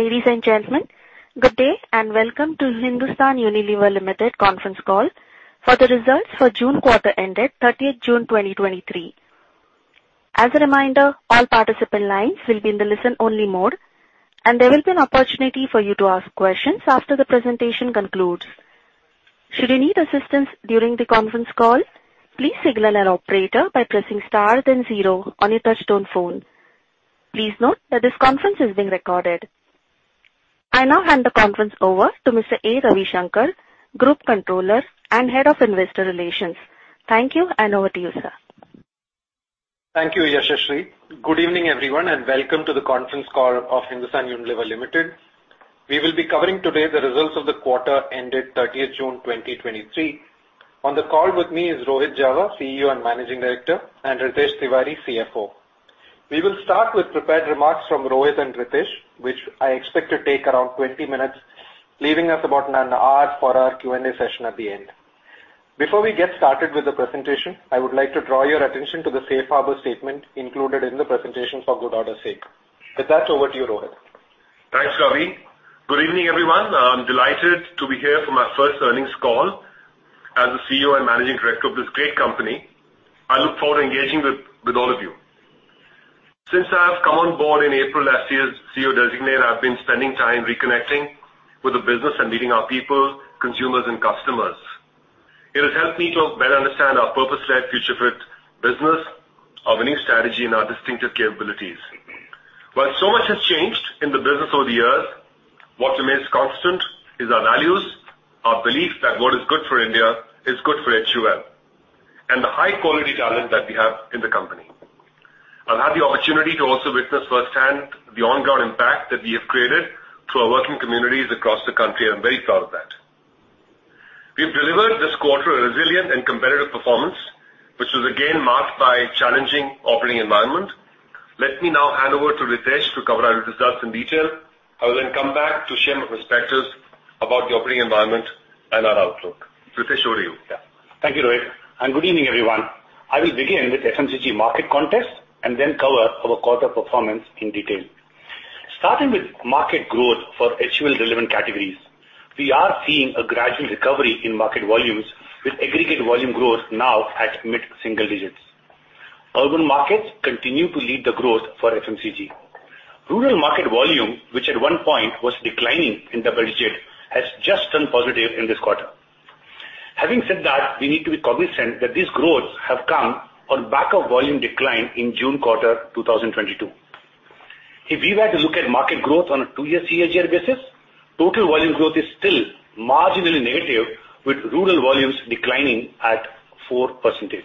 Ladies and gentlemen, good day, and welcome to Hindustan Unilever Limited Conference Call for the results for June quarter, ended 30th June, 2023. As a reminder, all participant lines will be in the listen-only mode, and there will be an opportunity for you to ask questions after the presentation concludes. Should you need assistance during the conference call, please signal an operator by pressing star, then zero on your touchtone phone. Please note that this conference is being recorded. I now hand the conference over to Mr. A. Ravishankar, Group Controller and Head of Investor Relations. Thank you, and over to you, sir. Thank you, Yashashree. Good evening, everyone, and welcome to the conference call of Hindustan Unilever Limited. We will be covering today the results of the quarter ended 30th June, 2023. On the call with me is Rohit Jawa, CEO and Managing Director, and Ritesh Tiwari, CFO. We will start with prepared remarks from Rohit and Ritesh, which I expect to take around 20 minutes, leaving us about an hour for our Q&A session at the end. Before we get started with the presentation, I would like to draw your attention to the safe harbor statement included in the presentation for good order sake. With that, over to you, Rohit. Thanks, Ravi. Good evening, everyone. I'm delighted to be here for my first earnings call as the CEO and Managing Director of this great company. I look forward to engaging with all of you. Since I have come on board in April as CEO designate, I've been spending time reconnecting with the business and meeting our people, consumers, and customers. It has helped me to better understand our purpose-led, future-fit business, our winning strategy, and our distinctive capabilities. While so much has changed in the business over the years, what remains constant is our values, our belief that what is good for India is good for HUL, and the high-quality talent that we have in the company. I've had the opportunity to also witness firsthand the on-ground impact that we have created through our working communities across the country. I'm very proud of that. We've delivered this quarter a resilient and competitive performance, which was again marked by challenging operating environment. Let me now hand over to Ritesh to cover our results in detail. I will then come back to share my perspectives about the operating environment and our outlook. Ritesh, over to you. Yeah. Thank you, Rohit. Good evening, everyone. I will begin with FMCG market context. Then cover our quarter performance in detail. Starting with market growth for HUL relevant categories, we are seeing a gradual recovery in market volumes, with aggregate volume growth now at mid-single digits. Urban markets continue to lead the growth for FMCG. Rural market volume, which at one point was declining in double-digit, has just turned positive in this quarter. Having said that, we need to be cognizant that these growth have come on back of volume decline in June quarter, 2022. If we were to look at market growth on a two-year CAGR basis, total volume growth is still marginally negative, with rural volumes declining at 4%.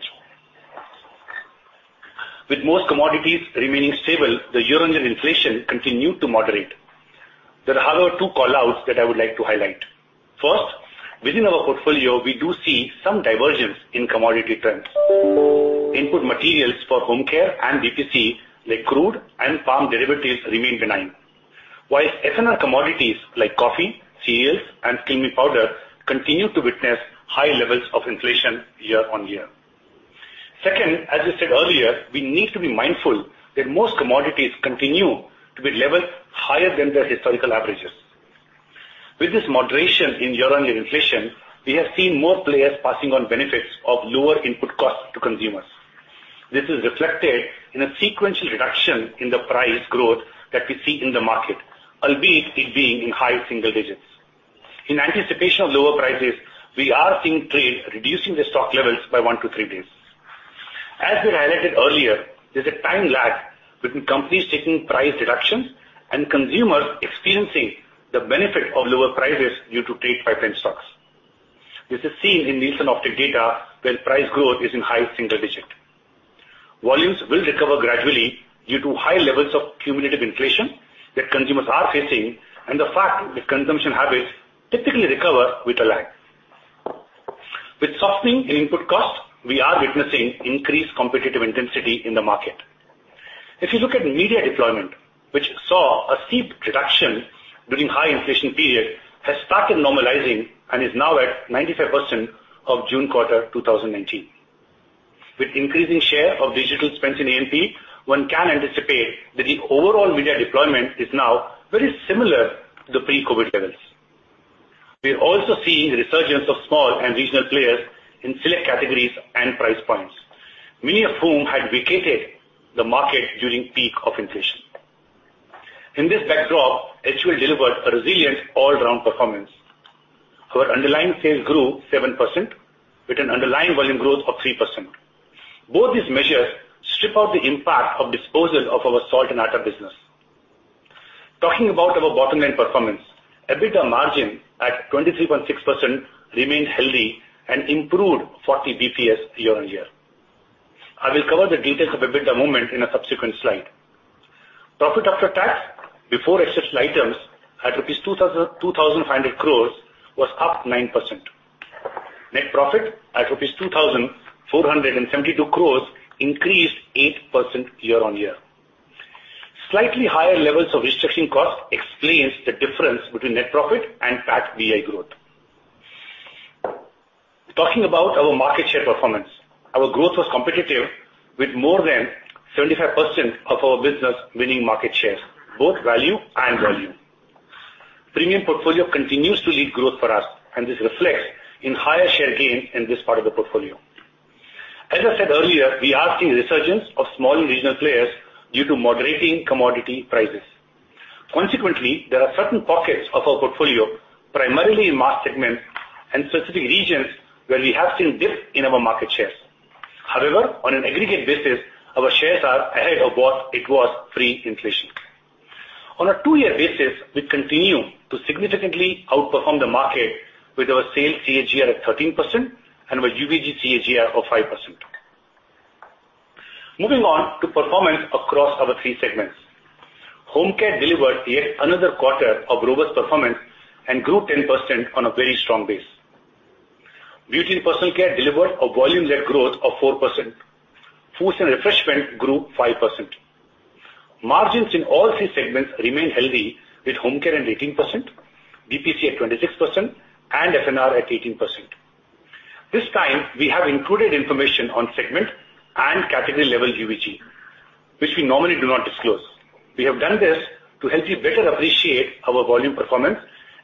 With most commodities remaining stable, the year-on-year inflation continued to moderate. There are, however, two call-outs that I would like to highlight. First, within our portfolio, we do see some divergence in commodity trends. Input materials for home care and BPC, like crude and palm derivatives, remain benign, whilst FNR commodities like coffee, cereals, and cleaning powder continue to witness high levels of inflation year-on-year. Second, as we said earlier, we need to be mindful that most commodities continue to be level higher than their historical averages. With this moderation in year-on-year inflation, we have seen more players passing on benefits of lower input costs to consumers. This is reflected in a sequential reduction in the price growth that we see in the market, albeit it being in high single digits. In anticipation of lower prices, we are seeing trade reducing the stock levels by one to three days. As we highlighted earlier, there's a time lag between companies taking price reductions and consumers experiencing the benefit of lower prices due to trade pipeline stocks. This is seen in Nielsen optic data, where price growth is in high single-digit. Volumes will recover gradually due to high levels of cumulative inflation that consumers are facing, and the fact that consumption habits typically recover with a lag. With softening in input costs, we are witnessing increased competitive intensity in the market. If you look at media deployment, which saw a steep reduction during high inflation period, has started normalizing and is now at 95% of June quarter 2019. With increasing share of digital spends in AMP, one can anticipate that the overall media deployment is now very similar to the pre-COVID levels. We are also seeing the resurgence of small and regional players in select categories and price points, many of whom had vacated the market during peak of inflation. In this backdrop, HUL delivered a resilient all-round performance. Our underlying sales grew 7%, with an underlying volume growth of 3%. Both these measures strip out the impact of disposals of our salt and atta business. Talking about our bottom-line performance, EBITDA margin at 23.6% remained healthy and improved 40 bps year-on-year. I will cover the details of EBITDA movement in a subsequent slide. Profit after tax, before exceptional items, at INR 2,500 crores, was up 9%. Net profit at INR 2,472 crores increased 8% year-on-year. Slightly higher levels of restructuring costs explains the difference between net profit and PAT BI growth. Talking about our market share performance, our growth was competitive with more than 75% of our business winning market share, both value and volume. Premium portfolio continues to lead growth for us, and this reflects in higher share gain in this part of the portfolio. As I said earlier, we are seeing a resurgence of small regional players due to moderating commodity prices. Consequently, there are certain pockets of our portfolio, primarily in mass segment and specific regions, where we have seen dip in our market shares. However, on an aggregate basis, our shares are ahead of what it was pre-inflation. On a two-year basis, we continue to significantly outperform the market with our sales CAGR at 13% and our UVG CAGR of 5%. Moving on to performance across our three segments. Home care delivered yet another quarter of robust performance and grew 10% on a very strong base. Beauty and personal care delivered a volume-led growth of 4%. Foods and refreshment grew 5%. Margins in all three segments remain healthy, with home care at 18%, BPC at 26%, and FNR at 18%. This time, we have included information on segment and category level UVG, which we normally do not disclose. We have done this to help you better appreciate our volume performance,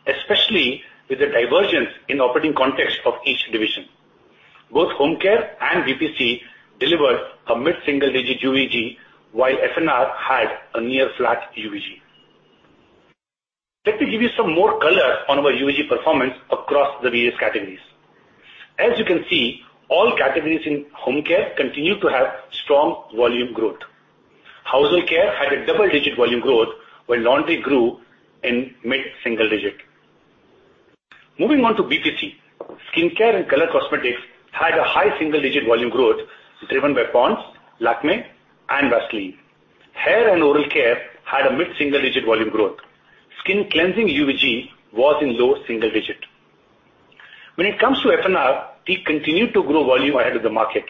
especially with the divergence in operating context of each division. Both home care and BPC delivered a mid-single-digit UVG, while FNR had a near flat UVG. Let me give you some more color on our UVG performance across the various categories. As you can see, all categories in home care continue to have strong volume growth. Household care had a double-digit volume growth, while laundry grew in mid-single digit. Moving on to BPC. Skincare and color cosmetics had a high single-digit volume growth, driven by POND'S, Lakmé, and Vaseline. Hair and oral care had a mid-single-digit volume growth. Skin cleansing UVG was in low single digit. When it comes to FNR, we continued to grow volume ahead of the market.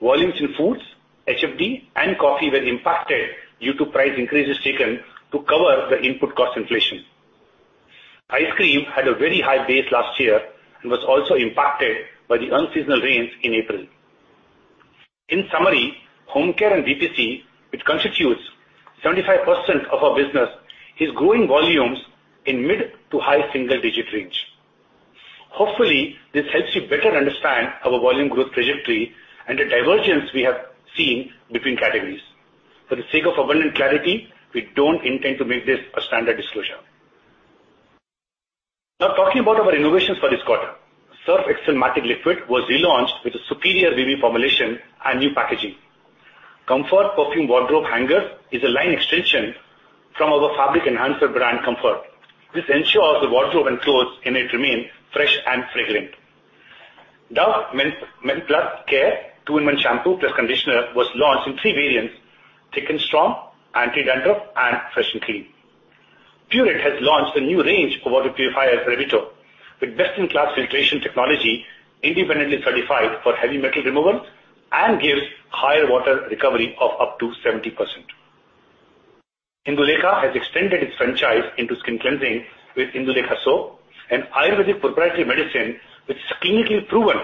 Volumes in foods, HFD, and coffee were impacted due to price increases taken to cover the input cost inflation. Ice cream had a very high base last year and was also impacted by the unseasonal rains in April. In summary, home care and BPC, which constitutes 75% of our business, is growing volumes in mid to high single-digit range. Hopefully, this helps you better understand our volume growth trajectory and the divergence we have seen between categories. For the sake of abundant clarity, we don't intend to make this a standard disclosure. Talking about our innovations for this quarter. Surf excel Matic liquid was relaunched with a superior cleaning formulation and new packaging. Comfort perfume wardrobe hanger is a line extension from our fabric enhancer brand, Comfort. This ensures the wardrobe and clothes in it remain fresh and fragrant. Dove Men+Care two-in-one shampoo plus conditioner was launched in three variants: thick and strong, anti-dandruff, and fresh and clean. Pureit has launched a new range of water purifier, Revito, with best-in-class filtration technology, independently certified for heavy metal removal and gives higher water recovery of up to 70%. Indulekha has extended its franchise into skin cleansing with Indulekha soap, an Ayurvedic proprietary medicine, which is clinically proven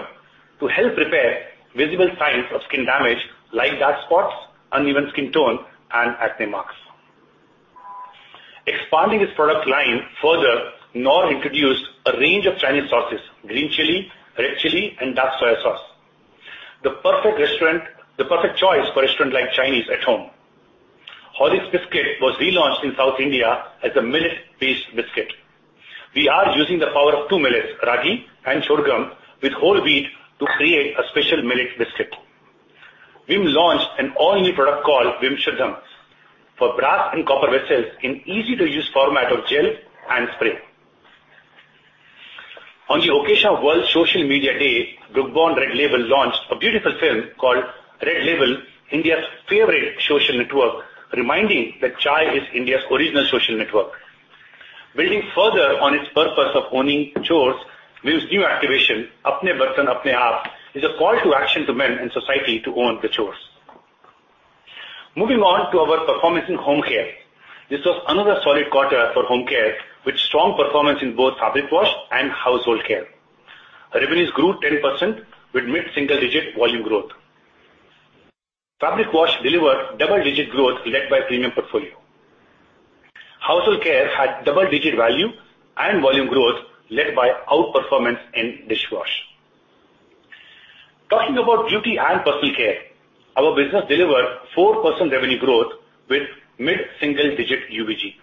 to help repair visible signs of skin damage like dark spots, uneven skin tone, and acne marks. Expanding its product line further, Knorr introduced a range of Chinese sauces: green chili, red chili, and dark soy sauce. The perfect choice for restaurant-like Chinese at home. Horlicks biscuit was relaunched in South India as a millet-based biscuit. We are using the power of two millets, ragi and sorghum, with whole wheat to create a special millet biscuit. Vim launched an all-new product called Vim Shudhham for brass and copper vessels in easy-to-use format of gel and spray. On the occasion of World Social Media Day, Brooke Bond Red Label launched a beautiful film called Red Label, India's favorite social network, reminding that chai is India's original social network. Building further on its purpose of owning chores, Vim's new activation, Apne Bartan Apne Aap, is a call to action to men and society to own the chores. Moving on to our performance in home care. This was another solid quarter for home care, with strong performance in both fabric wash and household care. Revenues grew 10% with mid-single-digit volume growth. Fabric wash delivered double-digit growth, led by premium portfolio. Household care had double-digit value and volume growth, led by outperformance in dishwash. Talking about beauty and personal care, our business delivered 4% revenue growth with mid-single-digit UVG.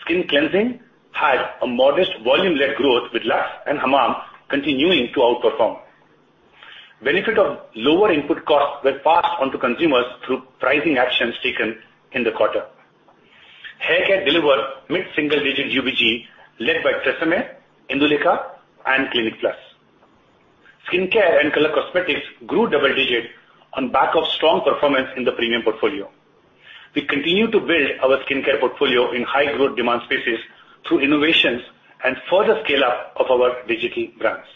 Skin cleansing had a modest volume-led growth, with Lux and Hamam continuing to outperform. Benefit of lower input costs were passed on to consumers through pricing actions taken in the quarter. Hair care delivered mid-single-digit UVG, led by TRESemmé, Indulekha, and Clinic Plus. Skincare and color cosmetics grew double-digit on back of strong performance in the premium portfolio. We continue to build our skincare portfolio in high-growth demand spaces through innovations and further scale-up of our digital brands.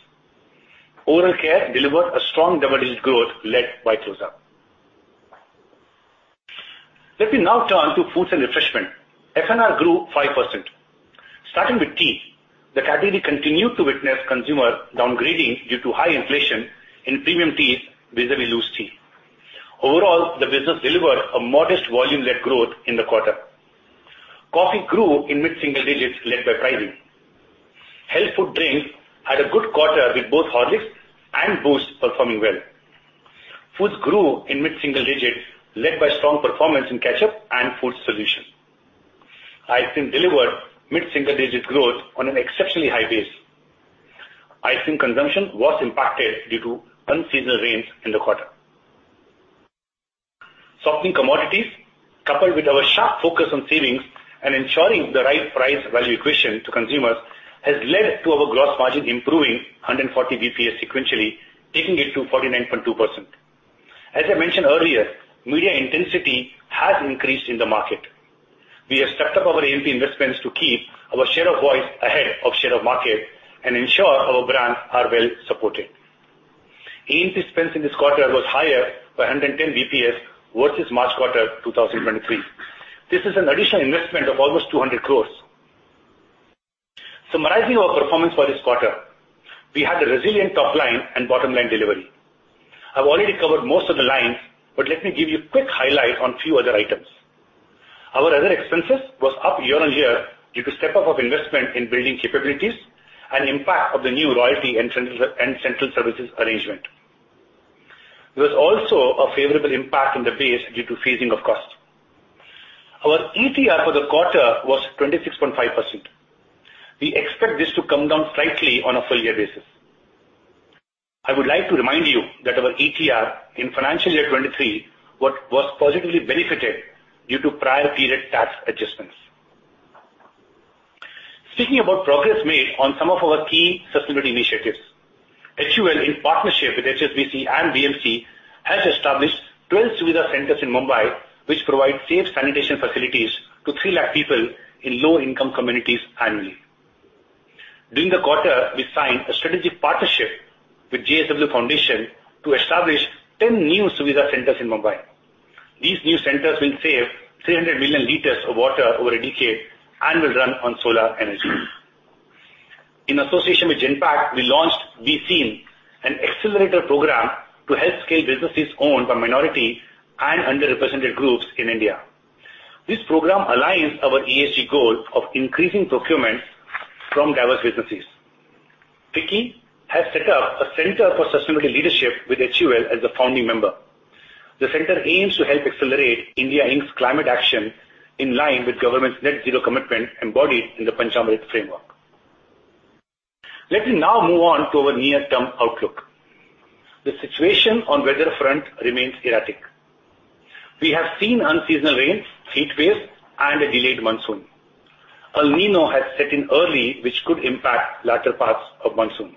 Oral care delivered a strong double-digit growth, led by Closeup. Let me now turn to foods and refreshment. FNR grew 5%. Starting with tea, the category continued to witness consumer downgrading due to high inflation in premium teas, vis-a-vis loose tea. Overall, the business delivered a modest volume-led growth in the quarter. Coffee grew in mid-single-digits, led by driving. Health food drinks had a good quarter, with both Horlicks and Boost performing well. Foods grew in mid-single-digits, led by strong performance in ketchup and food solution. Ice cream delivered mid-single-digit growth on an exceptionally high base. Ice cream consumption was impacted due to unseasonal rains in the quarter. Softening commodities, coupled with our sharp focus on savings and ensuring the right price value equation to consumers, has led to our gross margin improving 140 bps sequentially, taking it to 49.2%. As I mentioned earlier, media intensity has increased in the market. We have stepped up our A&P investments to keep our share of voice ahead of share of market and ensure our brands are well supported. A&P spend in this quarter was higher by 110 bps versus March quarter 2023. This is an additional investment of almost 200 crores. Summarizing our performance for this quarter, we had a resilient top line and bottom-line delivery. I've already covered most of the lines, but let me give you a quick highlight on a few other items. Our other expenses was up year-over-year due to step up of investment in building capabilities and impact of the new royalty and central services arrangement. There was also a favorable impact on the base due to phasing of costs. Our ETR for the quarter was 26.5%. We expect this to come down slightly on a full year basis. I would like to remind you that our ETR in financial year 2023, what was positively benefited due to prior period tax adjustments. Speaking about progress made on some of our key sustainability initiatives, HUL, in partnership with HSBC and BMC, has established 12 Suvidha centers in Mumbai, which provide safe sanitation facilities to 3 lakh people in low-income communities annually. During the quarter, we signed a strategic partnership with JSW Foundation to establish 10 new Suvidha centers in Mumbai. These new centers will save 300 million liters of water over a decade and will run on solar energy. In association with Genpact, we launched Be.Seen, an accelerator program to help scale businesses owned by minority and underrepresented groups in India. This program aligns our ESG goal of increasing procurement from diverse businesses. FICCI has set up a center for sustainability leadership with HUL as the founding member. The center aims to help accelerate India Inc's climate action in line with government's net zero commitment embodied in the Panchamrit framework. Let me now move on to our near-term outlook. The situation on weather front remains erratic. We have seen unseasonal rains, heat waves, and a delayed monsoon. El Niño has set in early, which could impact latter parts of monsoon.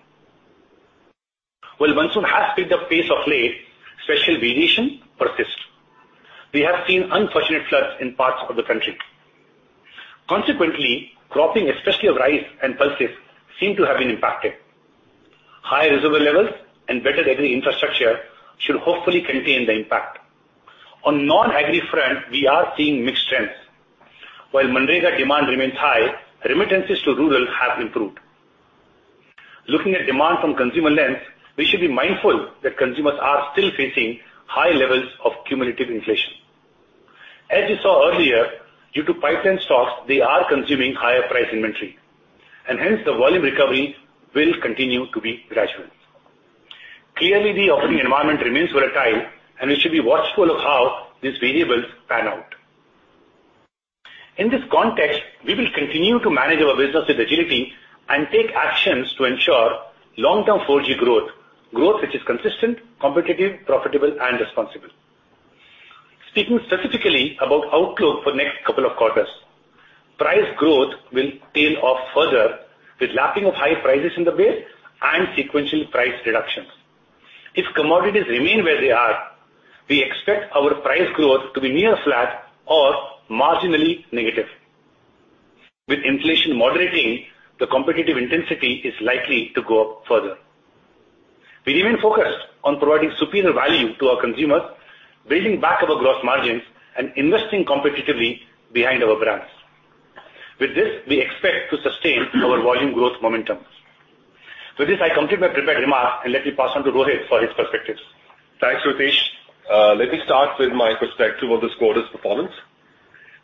While monsoon has picked up pace of late, special variation persists. We have seen unfortunate floods in parts of the country. Consequently, cropping, especially of rice and pulses, seem to have been impacted. High reservoir levels and better agri infrastructure should hopefully contain the impact. On non-agri front, we are seeing mixed trends. While Manrega demand remains high, remittances to rural have improved. Looking at demand from consumer lens, we should be mindful that consumers are still facing high levels of cumulative inflation. As you saw earlier, due to pipeline stocks, they are consuming higher price inventory, and hence the volume recovery will continue to be gradual. Clearly, the operating environment remains volatile, and we should be watchful of how these variables pan out. In this context, we will continue to manage our business with agility and take actions to ensure long-term profitable growth which is consistent, competitive, profitable, and responsible. Speaking specifically about outlook for next couple of quarters, price growth will tail off further with lapping of high prices in the base and sequential price reductions. If commodities remain where they are, we expect our price growth to be near flat or marginally negative. With inflation moderating, the competitive intensity is likely to go up further. We remain focused on providing superior value to our consumers, building back our gross margins, and investing competitively behind our brands. With this, we expect to sustain our volume growth momentum. With this, I complete my prepared remarks, and let me pass on to Rohit for his perspectives. Thanks, Ritesh. Let me start with my perspective of this quarter's performance.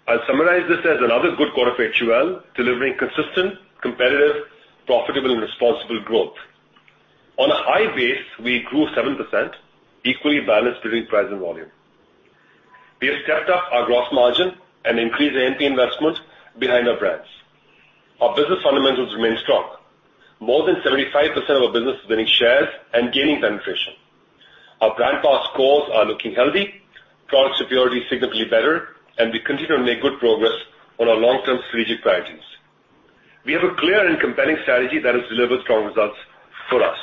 I'll summarize this as another good quarter for HUL, delivering consistent, competitive, profitable, and responsible growth. On a high base, we grew 7%, equally balanced between price and volume. We have stepped up our gross margin and increased A&P investment behind our brands. Our business fundamentals remain strong. More than 75% of our business is winning shares and gaining penetration. Our brand power scores are looking healthy, product security is significantly better, and we continue to make good progress on our long-term strategic priorities. We have a clear and compelling strategy that has delivered strong results for us.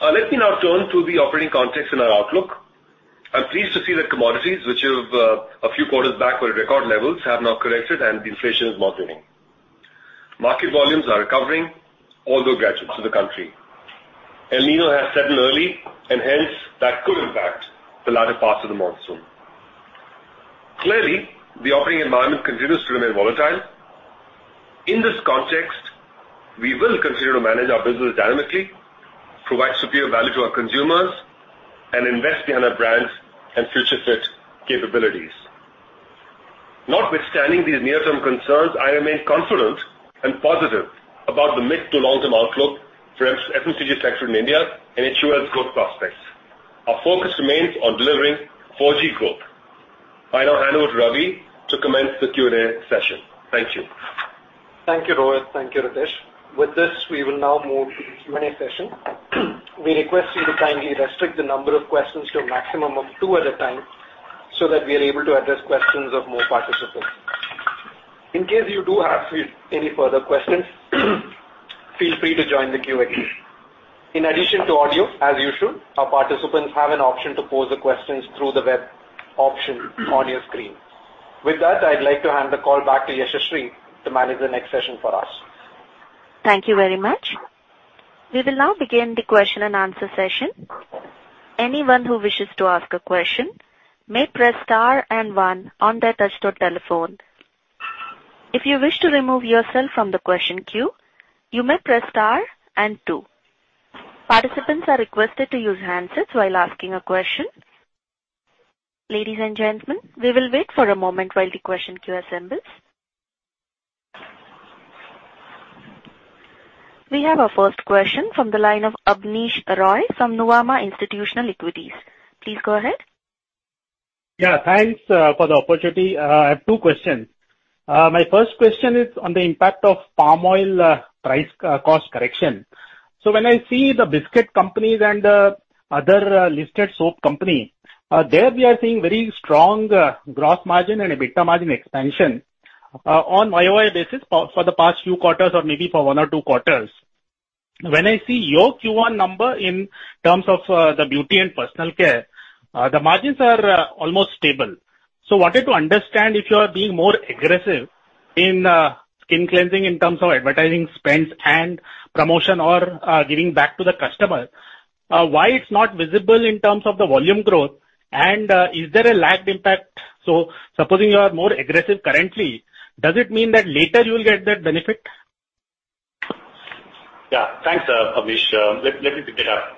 Let me now turn to the operating context and our outlook. I'm pleased to see that commodities, which have a few quarters back were at record levels, have now corrected and inflation is moderating. Market volumes are recovering, although gradually to the country. El Niño has settled early, and hence that could impact the latter part of the monsoon. Clearly, the operating environment continues to remain volatile. In this context, we will continue to manage our business dynamically, provide superior value to our consumers, and invest behind our brands and future-fit capabilities. Notwithstanding these near-term concerns, I remain confident and positive about the mid to long-term outlook for FMCG sector in India and ensures growth prospects. Our focus remains on delivering 4G growth. I now hand over to Ravi to commence the Q&A session. Thank you. Thank you, Rohit. Thank you, Ritesh. We will now move to Q&A session. We request you to kindly restrict the number of questions to a maximum of two at a time, so that we are able to address questions of more participants. In case you do have any further questions, feel free to join the queue again. In addition to audio, as usual, our participants have an option to pose the questions through the web option on your screen. I'd like to hand the call back to Yashashree to manage the next session for us. Thank you very much. We will now begin the question and answer session. Anyone who wishes to ask a question may press star and one on their touchtone telephone. If you wish to remove yourself from the question queue, you may press star and two. Participants are requested to use handsets while asking a question. Ladies and gentlemen, we will wait for a moment while the question queue assembles. We have our first question from the line of Abneesh Roy from Nuvama Institutional Equities. Please go ahead. Yeah, thanks for the opportunity. I have two questions. My first question is on the impact of palm oil price cost correction. When I see the biscuit companies and the other listed soap company, there we are seeing very strong gross margin and EBITDA margin expansion on year-over-year basis for the past few quarters or maybe for one or two quarters. When I see your Q1 number in terms of the beauty and personal care, the margins are almost stable. I wanted to understand if you are being more aggressive in skin cleansing in terms of advertising spends and promotion or giving back to the customer, why it's not visible in terms of the volume growth? Is there a lagged impact? Supposing you are more aggressive currently, does it mean that later you will get that benefit? Thanks, Abneesh. Let me pick it up.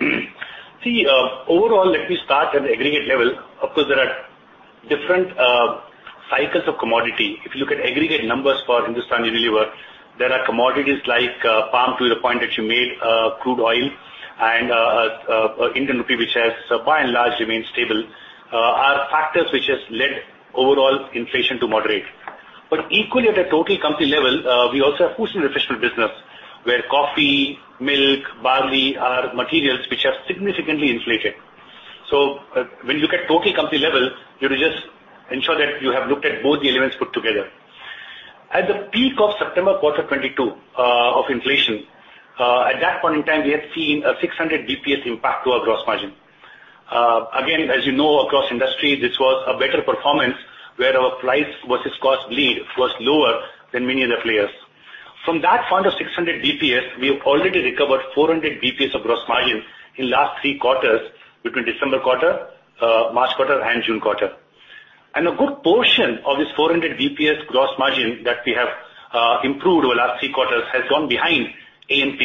Overall, let me start at the aggregate level. Of course, there are different cycles of commodity. If you look at aggregate numbers for Hindustan Unilever, there are commodities like palm to the point that you made, crude oil and Indian Rupee, which has by and large, remained stable, are factors which has led overall inflation to moderate. Equally, at a total company level, we also have consumer professional business, where coffee, milk, barley, are materials which are significantly inflated. When you look at total company level, you will just ensure that you have looked at both the elements put together. At the peak of September quarter 2022, of inflation, at that point in time, we had seen a 600 bps impact to our gross margin. Again, as you know, across industry, this was a better performance where our price versus cost lead was lower than many other players. From that front of 600 bps, we have already recovered 400 bps of gross margin in last three quarters between December quarter, March quarter and June quarter. A good portion of this 400 bps gross margin that we have improved over last three quarters has gone behind AMP.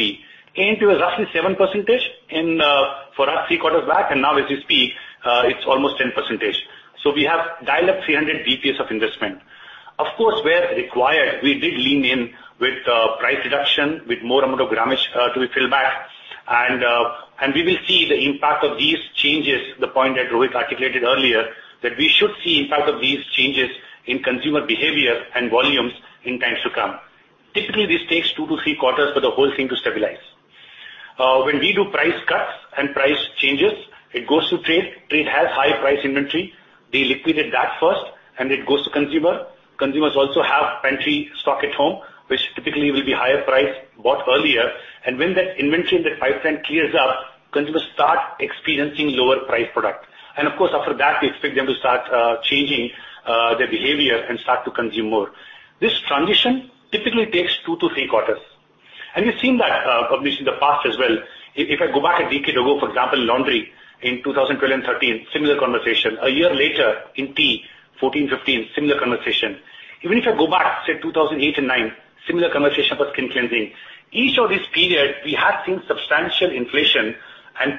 AMP was roughly 7% in for us three quarters back, and now as you see, it's almost 10%. We have dialed up 300 bps of investment. Of course, where required, we did lean in with price reduction, with more amount of grammage to be filled back. We will see the impact of these changes, the point that Rohit articulated earlier, that we should see impact of these changes in consumer behavior and volumes in times to come. Typically, this takes two to three quarters for the whole thing to stabilize. When we do price cuts and price changes, it goes to trade. Trade has high price inventory. They liquidate that first, and it goes to consumer. Consumers also have pantry stock at home, which typically will be higher price, bought earlier. When that inventory in the pipeline clears up, consumers start experiencing lower priced product. Of course, after that, we expect them to start changing their behavior and start to consume more. This transition typically takes two to three quarters, and we've seen that, Abneesh, in the past as well. If I go back a decade ago, for example, laundry in 2012 and 2013, similar conversation. A year later in tea, 2014, 2015, similar conversation. Even if I go back, say, 2008 and 2009, similar conversation for skin cleansing. Each of this period, we have seen substantial inflation,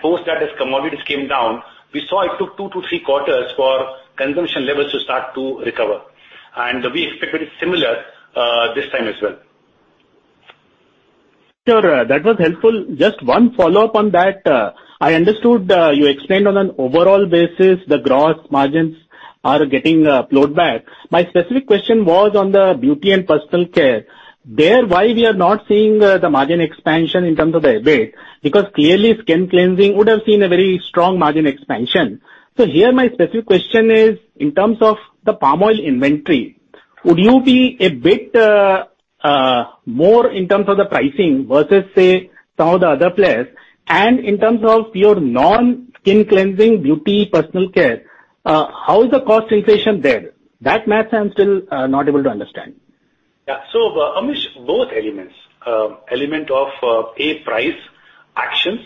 post that as commodities came down, we saw it took two to three quarters for consumption levels to start to recover. We expect it similar this time as well. Sure, that was helpful. Just one follow-up on that. I understood, you explained on an overall basis, the gross margins are getting, flowed back. My specific question was on the beauty and personal care. There, why we are not seeing, the margin expansion in terms of the EBIT? Because clearly, skin cleansing would have seen a very strong margin expansion. Here my specific question is, in terms of the palm oil inventory, would you be a bit, more in terms of the pricing versus, say, some of the other players? And in terms of your non-skin cleansing beauty, personal care, how is the cost inflation there? That math, I'm still, not able to understand. Yeah. Abneesh, both elements. Element of, A, price actions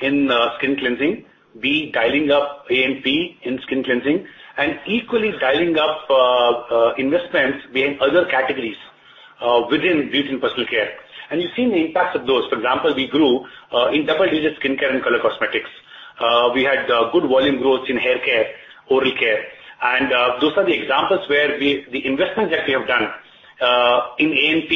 in skin cleansing, B, dialing up AMP in skin cleansing, and equally dialing up investments behind other categories within beauty and personal care. You've seen the impacts of those. For example, we grew in double digits, skin care and color cosmetics. We had good volume growth in hair care, oral care, and those are the examples where the investments that we have done in AMP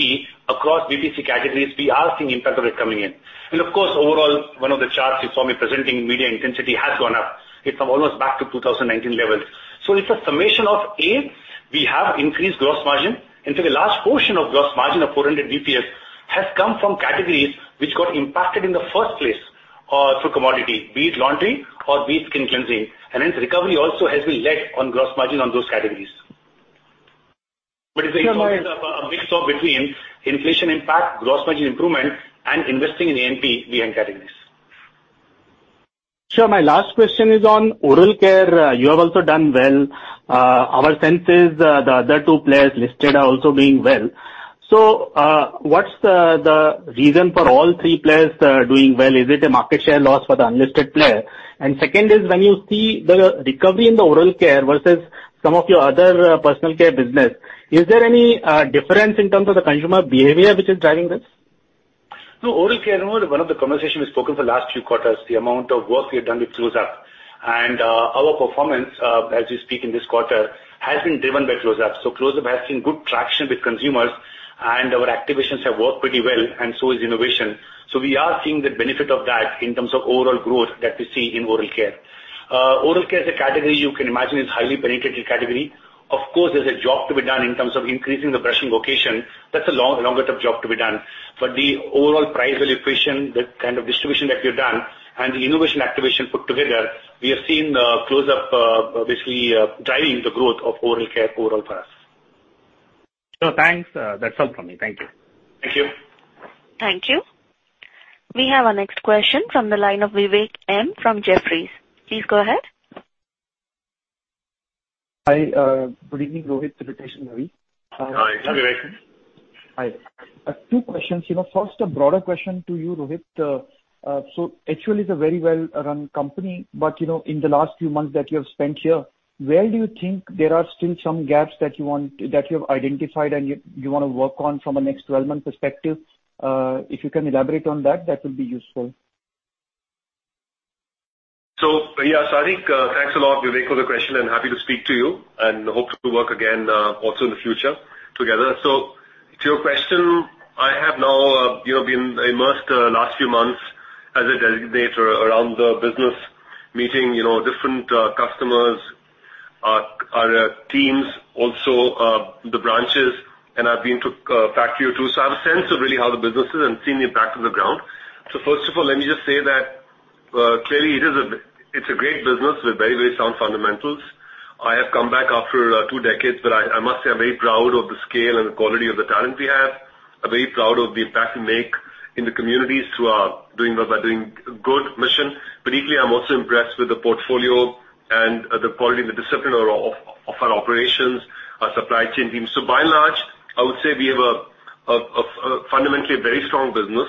across BPC categories, we are seeing impact of it coming in. Of course, overall, one of the charts you saw me presenting, media intensity has gone up. It's almost back to 2019 levels. It's a summation of, A, we have increased gross margin. In fact, a large portion of gross margin of 400 bps has come from categories which got impacted in the first place, through commodity, be it laundry or be it skin cleansing. Hence, recovery also has been led on gross margin on those categories. It's a combination of a mix of between inflation impact, gross margin improvement, and investing in A&P behind categories. Sure. My last question is on oral care. You have also done well. Our sense is, the other two players listed are also doing well. What's the reason for all three players doing well? Is it a market share loss for the unlisted player? Second is, when you see the recovery in the oral care versus some of your other personal care business, is there any difference in terms of the consumer behavior which is driving this? No, oral care, I remember one of the conversations we've spoken for the last few quarters, the amount of work we have done with Closeup. Our performance, as we speak in this quarter, has been driven by Closeup. Closeup has seen good traction with consumers, and our activations have worked pretty well, and so is innovation. We are seeing the benefit of that in terms of overall growth that we see in oral care. Oral care as a category, you can imagine, is a highly penetrated category. Of course, there's a job to be done in terms of increasing the brushing location. That's a longer-term job to be done. The overall price realization, the kind of distribution that we've done and the innovation activation put together, we have seen Closeup, basically, driving the growth of oral care overall for us. Thanks. That's all from me. Thank you. Thank you. Thank you. We have our next question from the line of Vivek M from Jefferies. Please go ahead. Hi, good evening, Rohit. Congratulations,. Hi, Vivek. Hi, two questions. You know, first, a broader question to you, Rohit. HUL is a very well-run company, but, you know, in the last few months that you have spent here, where do you think there are still some gaps that you have identified and you wanna work on from a next 12-month perspective? If you can elaborate on that would be useful. Yeah, I think, thanks a lot, Vivek, for the question, and happy to speak to you and hope to work again also in the future together. To your question, I have now, you know, been immersed last few months as a designator around the business, meeting, you know, different customers, our teams, also the branches, and I've been to factory, too. I have a sense of really how the business is and seen the impact on the ground. First of all, let me just say that clearly, it is a great business with very, very sound fundamentals. I have come back after two decades, but I must say I'm very proud of the scale and the quality of the talent we have. I'm very proud of the impact we make in the communities who are doing good mission. Equally, I'm also impressed with the portfolio and the quality and the discipline of our operations, our supply chain team. By and large, I would say we have a fundamentally very strong business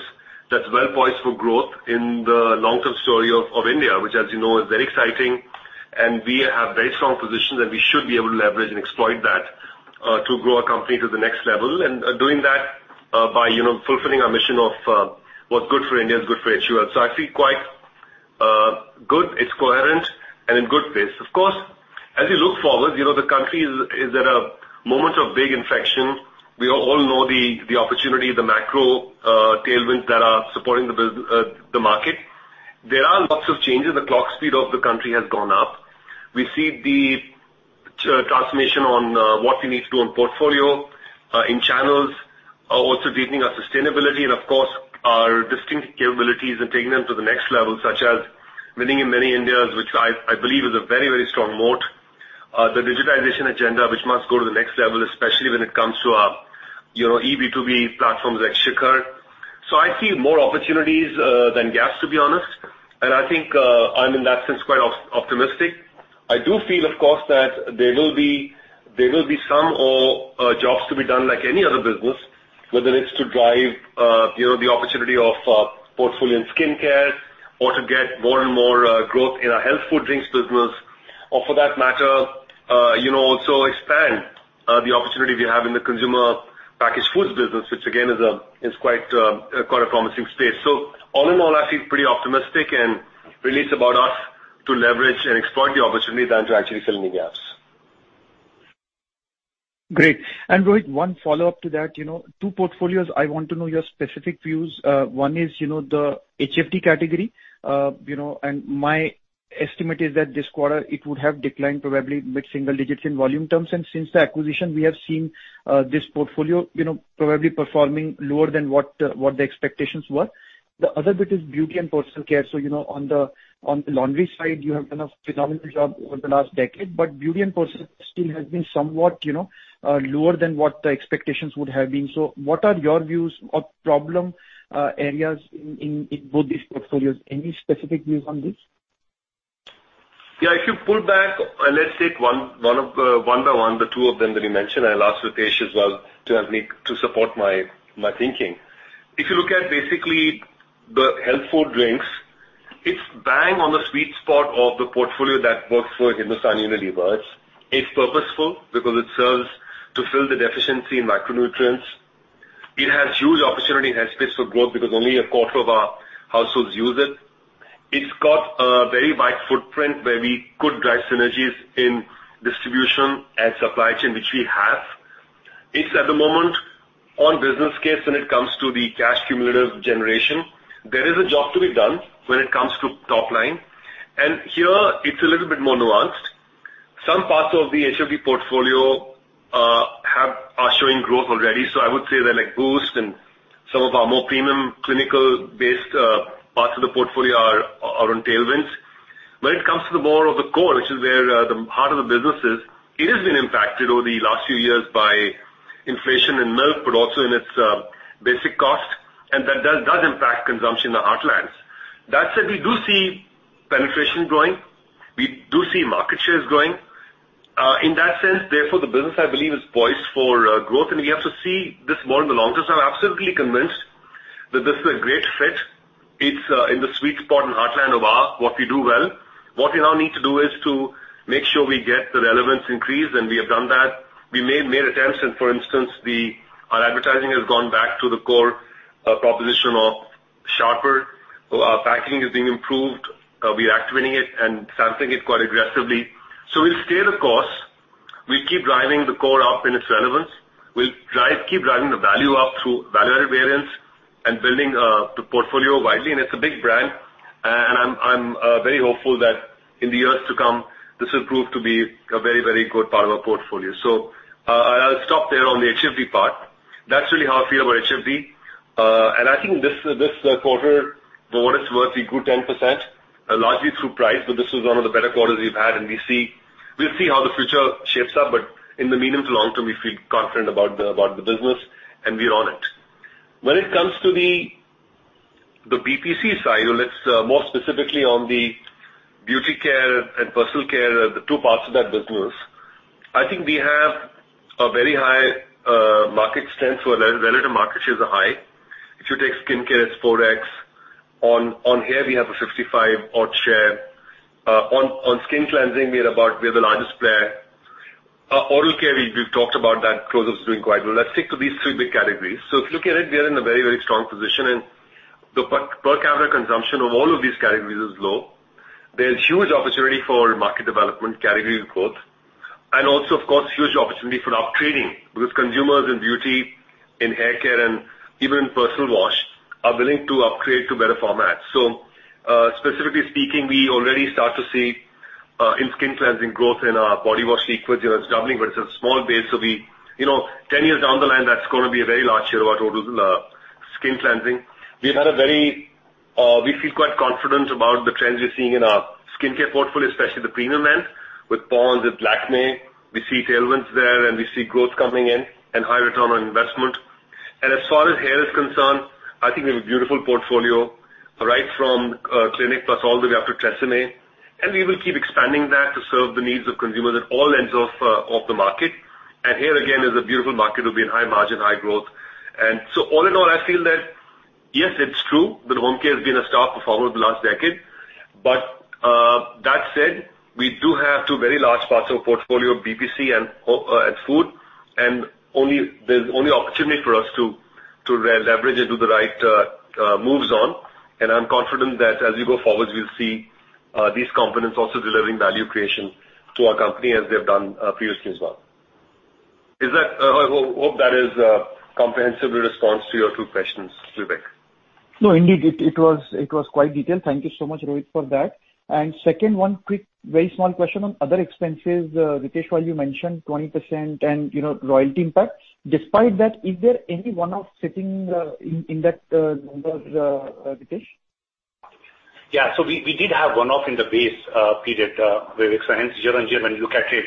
that's well poised for growth in the long-term story of India, which, as you know, is very exciting. We have very strong position, and we should be able to leverage and exploit that, to grow our company to the next level. Doing that, by, you know, fulfilling our mission of what's good for India is good for HUL. I feel quite good. It's coherent and in good place. Of course, as we look forward, you know, the country is at a moment of big inflection. We all know the opportunity, the macro tailwinds that are supporting the market. There are lots of changes. The clock speed of the country has gone up. We see the transformation on what we need to do on portfolio, in channels, also deepening our sustainability and of course, our distinct capabilities and taking them to the next level, such as Winning in Many Indias, which I believe is a very, very strong moat. The digitization agenda, which must go to the next level, especially when it comes to our, you know, eB2B platforms like Shikhar. I see more opportunities than gaps, to be honest, and I think I'm in that sense, quite optimistic. I do feel, of course, that there will be some jobs to be done like any other business, whether it's to drive, you know, the opportunity of portfolio in skincare or to get more and more growth in our health food drinks business, or for that matter, you know, also expand the opportunity we have in the consumer packaged foods business, which again, is quite a promising space. All in all, I feel pretty optimistic, and really it's about us to leverage and exploit the opportunity than to actually fill any gaps. Great. Rohit, one follow-up to that, you know, two portfolios, I want to know your specific views. One is, you know, the HFD category, you know, and my estimate is that this quarter it would have declined probably mid-single digits in volume terms, and since the acquisition, we have seen, this portfolio, you know, probably performing lower than what the expectations were. The other bit is beauty and personal care. You know, on the, on the laundry side, you have done a phenomenal job over the last decade, but beauty and personal care still has been somewhat, you know, lower than what the expectations would have been. What are your views or problem areas in both these portfolios? Any specific views on this? Yeah, if you pull back and let's take one of the, one by one, the two of them that you mentioned, I will ask Ritesh as well to help me to support my thinking. If you look at basically the health food drinks, it is bang on the sweet spot of the portfolio that works for Hindustan Unilever. It is purposeful because it serves to fill the deficiency in macronutrients. It has huge opportunity, it has space for growth because only a quarter of our households use it. It has got a very wide footprint where we could drive synergies in distribution and supply chain, which we have. It is at the moment, on business case, when it comes to the cash cumulative generation, there is a job to be done when it comes to top line, and here it is a little bit more nuanced. Some parts of the HFD portfolio are showing growth already, so I would say that like Boost and some of our more premium clinical-based parts of the portfolio are on tailwinds. When it comes to the more of the core, which is where the heart of the business is, it has been impacted over the last few years by inflation in milk, but also in its basic cost, and that does impact consumption in the heartlands. That said, we do see penetration growing, we do see market shares growing. In that sense, therefore, the business, I believe, is poised for growth, and we have to see this more in the long term. I'm absolutely convinced that this is a great fit. It's in the sweet spot and heartland of our what we do well. What we now need to do is to make sure we get the relevance increased, and we have done that. We made attempts, and for instance, our advertising has gone back to the core proposition of sharper. Our packing is being improved, we're activating it and sampling it quite aggressively. We'll stay the course. We keep driving the core up in its relevance. We'll keep driving the value up through value-add variants and building the portfolio widely. It's a big brand, and I'm very hopeful that in the years to come, this will prove to be a very, very good part of our portfolio. I'll stop there on the HFD part. That's really how I feel about HFD. I think this quarter, for what it's worth, we grew 10%, largely through price, but this is one of the better quarters we've had, and We'll see how the future shapes up, but in the medium to long term, we feel confident about the business, and we're on it. When it comes to the BPC side, well, it's more specifically on the beauty care and personal care, the two parts of that business, I think we have a very high market stance, where the relative market shares are high. If you take skincare, it's 4x. On hair, we have a 55 odd share. On skin cleansing, we are the largest player. Oral care, we've talked about that, Closeup is doing quite well. If you look at it, we are in a very, very strong position, and the per capita consumption of all of these categories is low. There's huge opportunity for market development, category growth, and also, of course, huge opportunity for up-trading, because consumers in beauty, in hair care, and even personal wash, are willing to upgrade to better formats. Specifically speaking, we already start to see in skin cleansing growth in our body wash liquids, you know, it's doubling, but it's a small base. We, you know, 10 years down the line, that's gonna be a very large share of our total skin cleansing. We feel quite confident about the trends we're seeing in our skincare portfolio, especially the premium end, with POND'S, with Lakmé. We see tailwinds there, and we see growth coming in and higher return on investment. As far as hair is concerned, I think we have a beautiful portfolio, right from Clinic Plus all the way up to TRESemmé, and we will keep expanding that to serve the needs of consumers at all ends of the market. Hair, again, is a beautiful market to be in high margin, high growth. All in all, I feel that, yes, it's true that home care has been a star performer over the last decade. That said, we do have two very large parts of our portfolio, BPC and food, and only, there's only opportunity for us to leverage and do the right moves on. I'm confident that as we go forward, we'll see these components also delivering value creation to our company as they have done previously as well. Is that? I hope that is a comprehensive response to your two questions, Vivek. Indeed, it was quite detailed. Thank you so much, Rohit, for that. Second, one quick, very small question on other expenses. Ritesh, while you mentioned 20% and, you know, royalty impacts, despite that, is there any one-off sitting in that numbers, Ritesh? We did have one-off in the base period, Vivek, so hence year-on-year, when you look at it,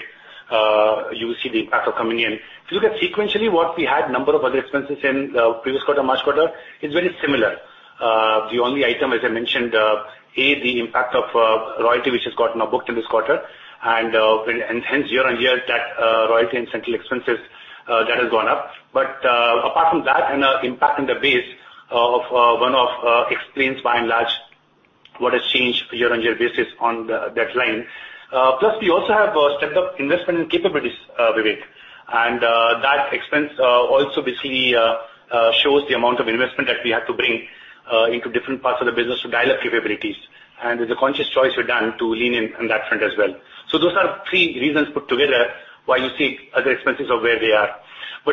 you will see the impact of coming in. If you look at sequentially, what we had number of other expenses in the previous quarter, March quarter, is very similar. The only item, as I mentioned, A, the impact of royalty, which has gotten now booked in this quarter, and hence year-on-year, that royalty and central expenses, that has gone up. Apart from that and impact on the base of one-off expense, by and large, what has changed year-on-year basis on that line. Plus, we also have stepped-up investment in capabilities, Vivek, and that expense also basically shows the amount of investment that we have to bring into different parts of the business to dial up capabilities. It's a conscious choice we've done to lean in on that front as well. Those are three reasons put together why you see other expenses of where they are.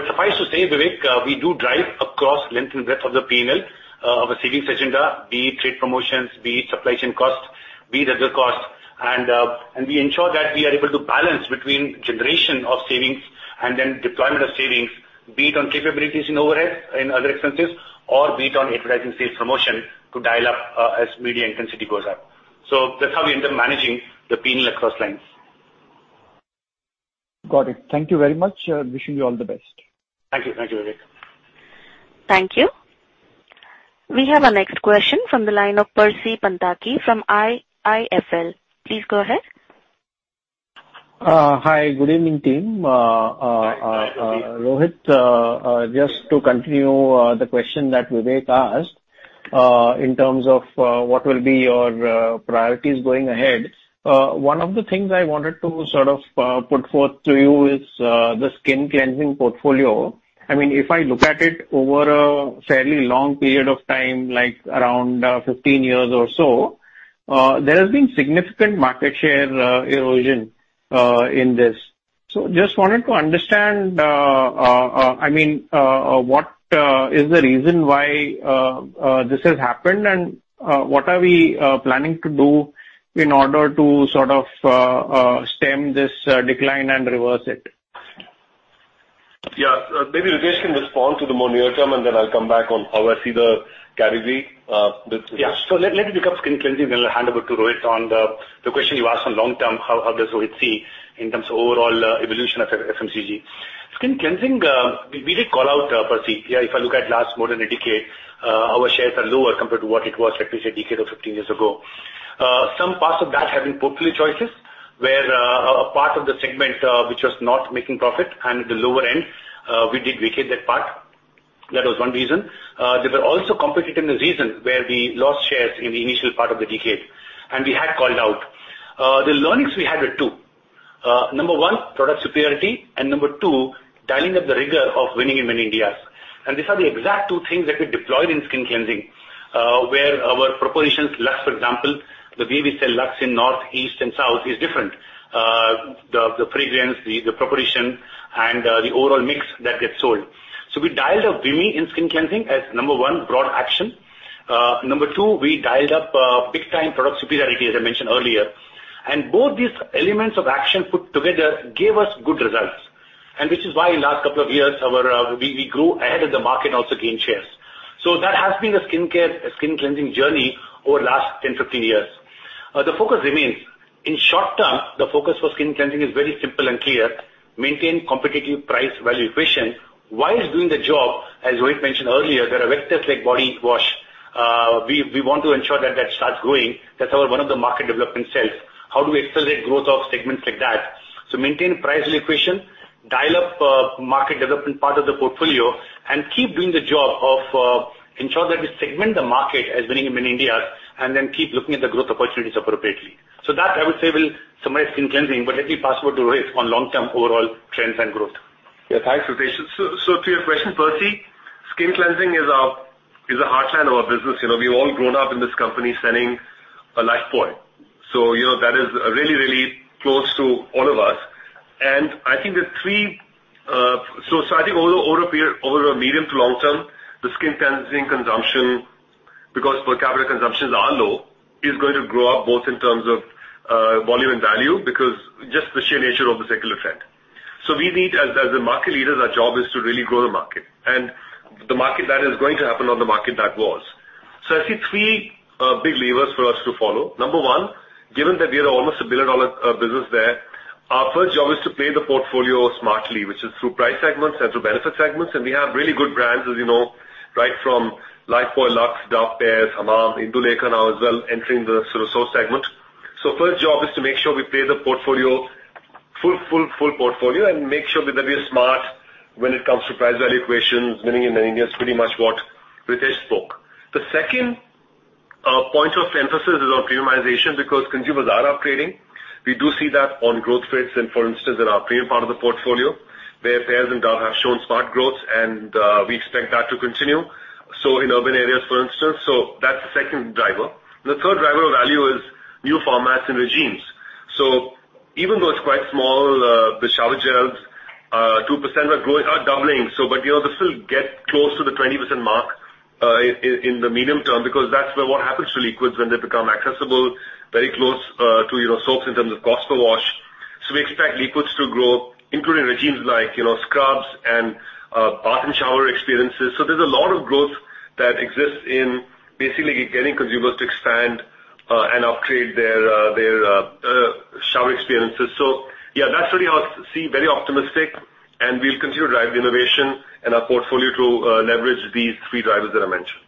Suffice to say, Vivek, we do drive across length and breadth of the P&L, of a savings agenda, be it trade promotions, be it supply chain costs, be it other costs, and we ensure that we are able to balance between generation of savings and then deployment of savings, be it on capabilities in overhead, in other expenses, or be it on advertising sales promotion, to dial up, as media intensity goes up. That's how we end up managing the P&L across lines. Got it. Thank you very much, wishing you all the best. Thank you. Thank you, Vivek. Thank you. We have our next question from the line of Percy Panthaki from IIFL. Please go ahead. Hi, good evening, team. Rohit, just to continue the question that Vivek asked, in terms of what will be your priorities going ahead. One of the things I wanted to sort of put forth to you is the skin cleansing portfolio. I mean, if I look at it over a fairly long period of time, like around 15 years or so, there has been significant market share erosion in this. Just wanted to understand, I mean, what is the reason why this has happened, and what are we planning to do in order to sort of stem this decline and reverse it? Yeah, maybe Ritesh can respond to the more near term, and then I'll come back on how I see the category. Yeah. Let me pick up skin cleansing, then I'll hand over to Rohit on the question you asked on long term, how does Rohit see in terms of overall evolution of FMCG. Skin cleansing, we did call out Percy. Yeah, if I look at last more than a decade, our shares are lower compared to what it was, let me say, a decade or 15 years ago. Some parts of that have been portfolio choices, where a part of the segment, which was not making profit and at the lower end, we did vacate that part. That was one reason. There were also competitive reasons where we lost shares in the initial part of the decade, and we had called out. The learnings we had were two. Number one, product superiority, and number two, dialing up the rigor of Winning in Many Indias. These are the exact two things that we deployed in skin cleansing, where our proportions, Lux, for example, the way we sell Lux in North, East and South is different. The fragrance, the proportion and the overall mix that gets sold. We dialed up WiMI in skin cleansing as number one broad action. Number two, we dialed up big time product superiority, as I mentioned earlier. Both these elements of action put together gave us good results, which is why in last couple of years, our we grew ahead of the market and also gained shares. That has been the skincare, skin cleansing journey over the last 10, 15 years. The focus remains. In short term, the focus for skin cleansing is very simple and clear: maintain competitive price value equation while it's doing the job. As Rohit mentioned earlier, there are vectors like body wash. We want to ensure that that starts growing. That's our one of the market development cells. How do we accelerate growth of segments like that? Maintain price value equation, dial up market development part of the portfolio, and keep doing the job of ensure that we segment the market as Winning in Many Indias, and then keep looking at the growth opportunities appropriately. That, I would say, will summarize skin cleansing, but let me pass over to Rohit on long-term overall trends and growth. Yes, thanks, Ritesh. To your question, Percy, skin cleansing is a heartland of our business. You know, we've all grown up in this company selling Lifebuoy. You know, that is really close to all of us. I think there are three. I think over a medium to long term, the skin cleansing consumption, because per capita consumptions are low, is going to grow up both in terms of volume and value, because just the sheer nature of the secular trend. We need, as the market leaders, our job is to really grow the market, and the market that is going to happen on the market that was. I see three big levers for us to follow. Number one, given that we are almost a billion-dollar business there, our first job is to play the portfolio smartly, which is through price segments and through benefit segments. We have really good brands, as you know, right from Lifebuoy, Lux, Dove, Pears, Hamam, Indulekha now as well, entering the sort of soap segment. First job is to make sure we play the full portfolio, and make sure that we are smart when it comes to price value equations, Winning in Many Indias, pretty much what Ritesh spoke. The second point of emphasis is on premiumization, because consumers are upgrading. We do see that on growth rates and, for instance, in our premium part of the portfolio, where Pears and Dove have shown smart growth, and we expect that to continue, so in urban areas, for instance. That's the second driver. The third driver of value is new formats and regimes. Even though it's quite small, the shower gels, 2% are growing, are doubling. You know, they still get close to the 20% mark in the medium term, because that's where what happens to liquids when they become accessible, very close to, you know, soaps in terms of cost per wash. We expect liquids to grow, including regimes like, you know, scrubs and bath and shower experiences. There's a lot of growth that exists in basically getting consumers to expand and upgrade their shower experiences. That's really how I see, very optimistic, and we'll continue to drive the innovation and our portfolio to leverage these three drivers that I mentioned.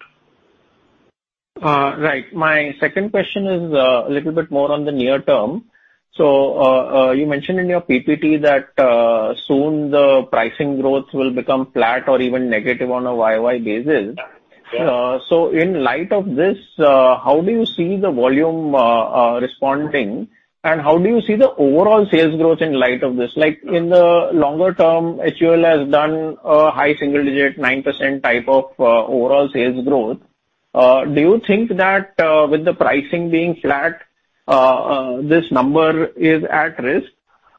Right. My second question is a little bit more on the near term. You mentioned in your PPT that soon the pricing growth will become flat or even negative on a YY basis. Yeah. In light of this, how do you see the volume responding? How do you see the overall sales growth in light of this? In the longer term, HUL has done a high single digit, 9% type of overall sales growth. Do you think that with the pricing being flat, this number is at risk?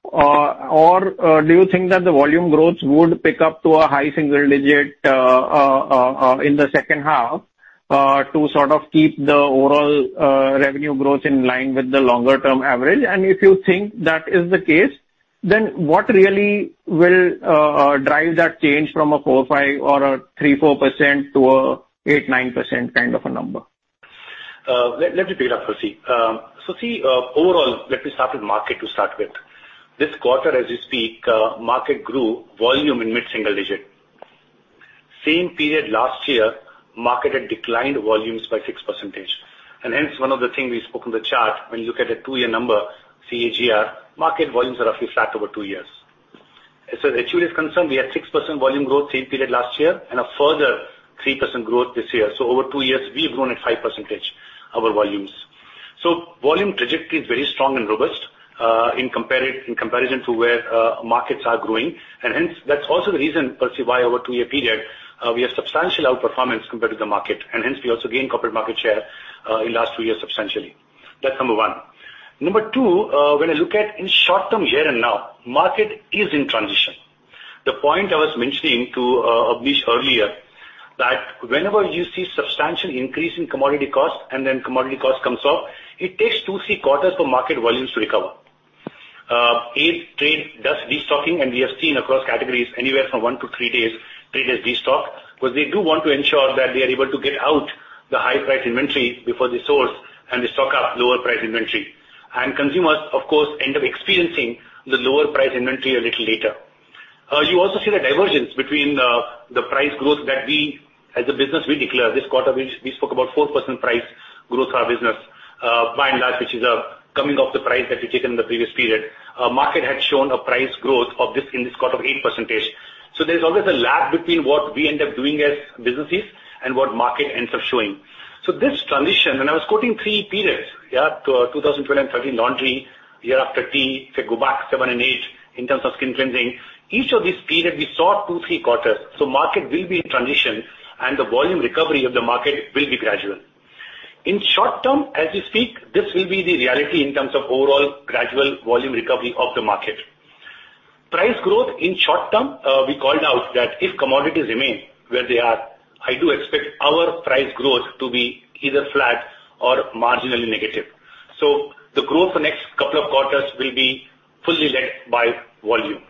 Or do you think that the volume growth would pick up to a high single digit in the second half to sort of keep the overall revenue growth in line with the longer term average? If you think that is the case, then what really will drive that change from a 4%-5% or a 3%-4% to an 8%-9% kind of a number? Let me pick it up, Percy. See, overall, let me start with market to start with. This quarter, as we speak, market grew volume in mid-single digit. Same period last year, market had declined volumes by 6%. Hence, one of the things we spoke on the chart, when you look at a two-year number, CAGR, market volumes are roughly flat over two years. As HUL is concerned, we had 6% volume growth same period last year, and a further 3% growth this year. Over two years, we've grown at 5% our volumes. Volume trajectory is very strong and robust in comparison to where markets are growing. Hence, that's also the reason, Percy, why over a two-year period, we have substantial outperformance compared to the market, and hence we also gained corporate market share in last two years, substantially. That's number one. Number two, when I look at in short term, here and now, market is in transition. The point I was mentioning to Abneesh earlier, that whenever you see substantial increase in commodity costs and then commodity costs comes off, it takes two, three quarters for market volumes to recover. If trade does destocking, and we have seen across categories, anywhere from one to three days, traders destock, because they do want to ensure that they are able to get out the high-priced inventory before they source and they stock up lower-priced inventory. Consumers, of course, end up experiencing the lower-priced inventory a little later. You also see the divergence between the price growth that we, as a business, we declare. This quarter, we spoke about 4% price growth our business, by and large, which is coming off the price that we've taken in the previous period. Market had shown a price growth of this, in this quarter of 8%. There's always a lag between what we end up doing as businesses and what market ends up showing. This transition, and I was quoting 3 periods, yeah, 2012 and 2013, laundry; year after, tea; if you go back, 2007 and 2008, in terms of skin cleansing. Each of these period, we saw two, three quarters, so market will be in transition, and the volume recovery of the market will be gradual. In short term, as we speak, this will be the reality in terms of overall gradual volume recovery of the market. Price growth, in short term, we called out that if commodities remain where they are, I do expect our price growth to be either flat or marginally negative. The growth for next two quarters will be fully led by volume.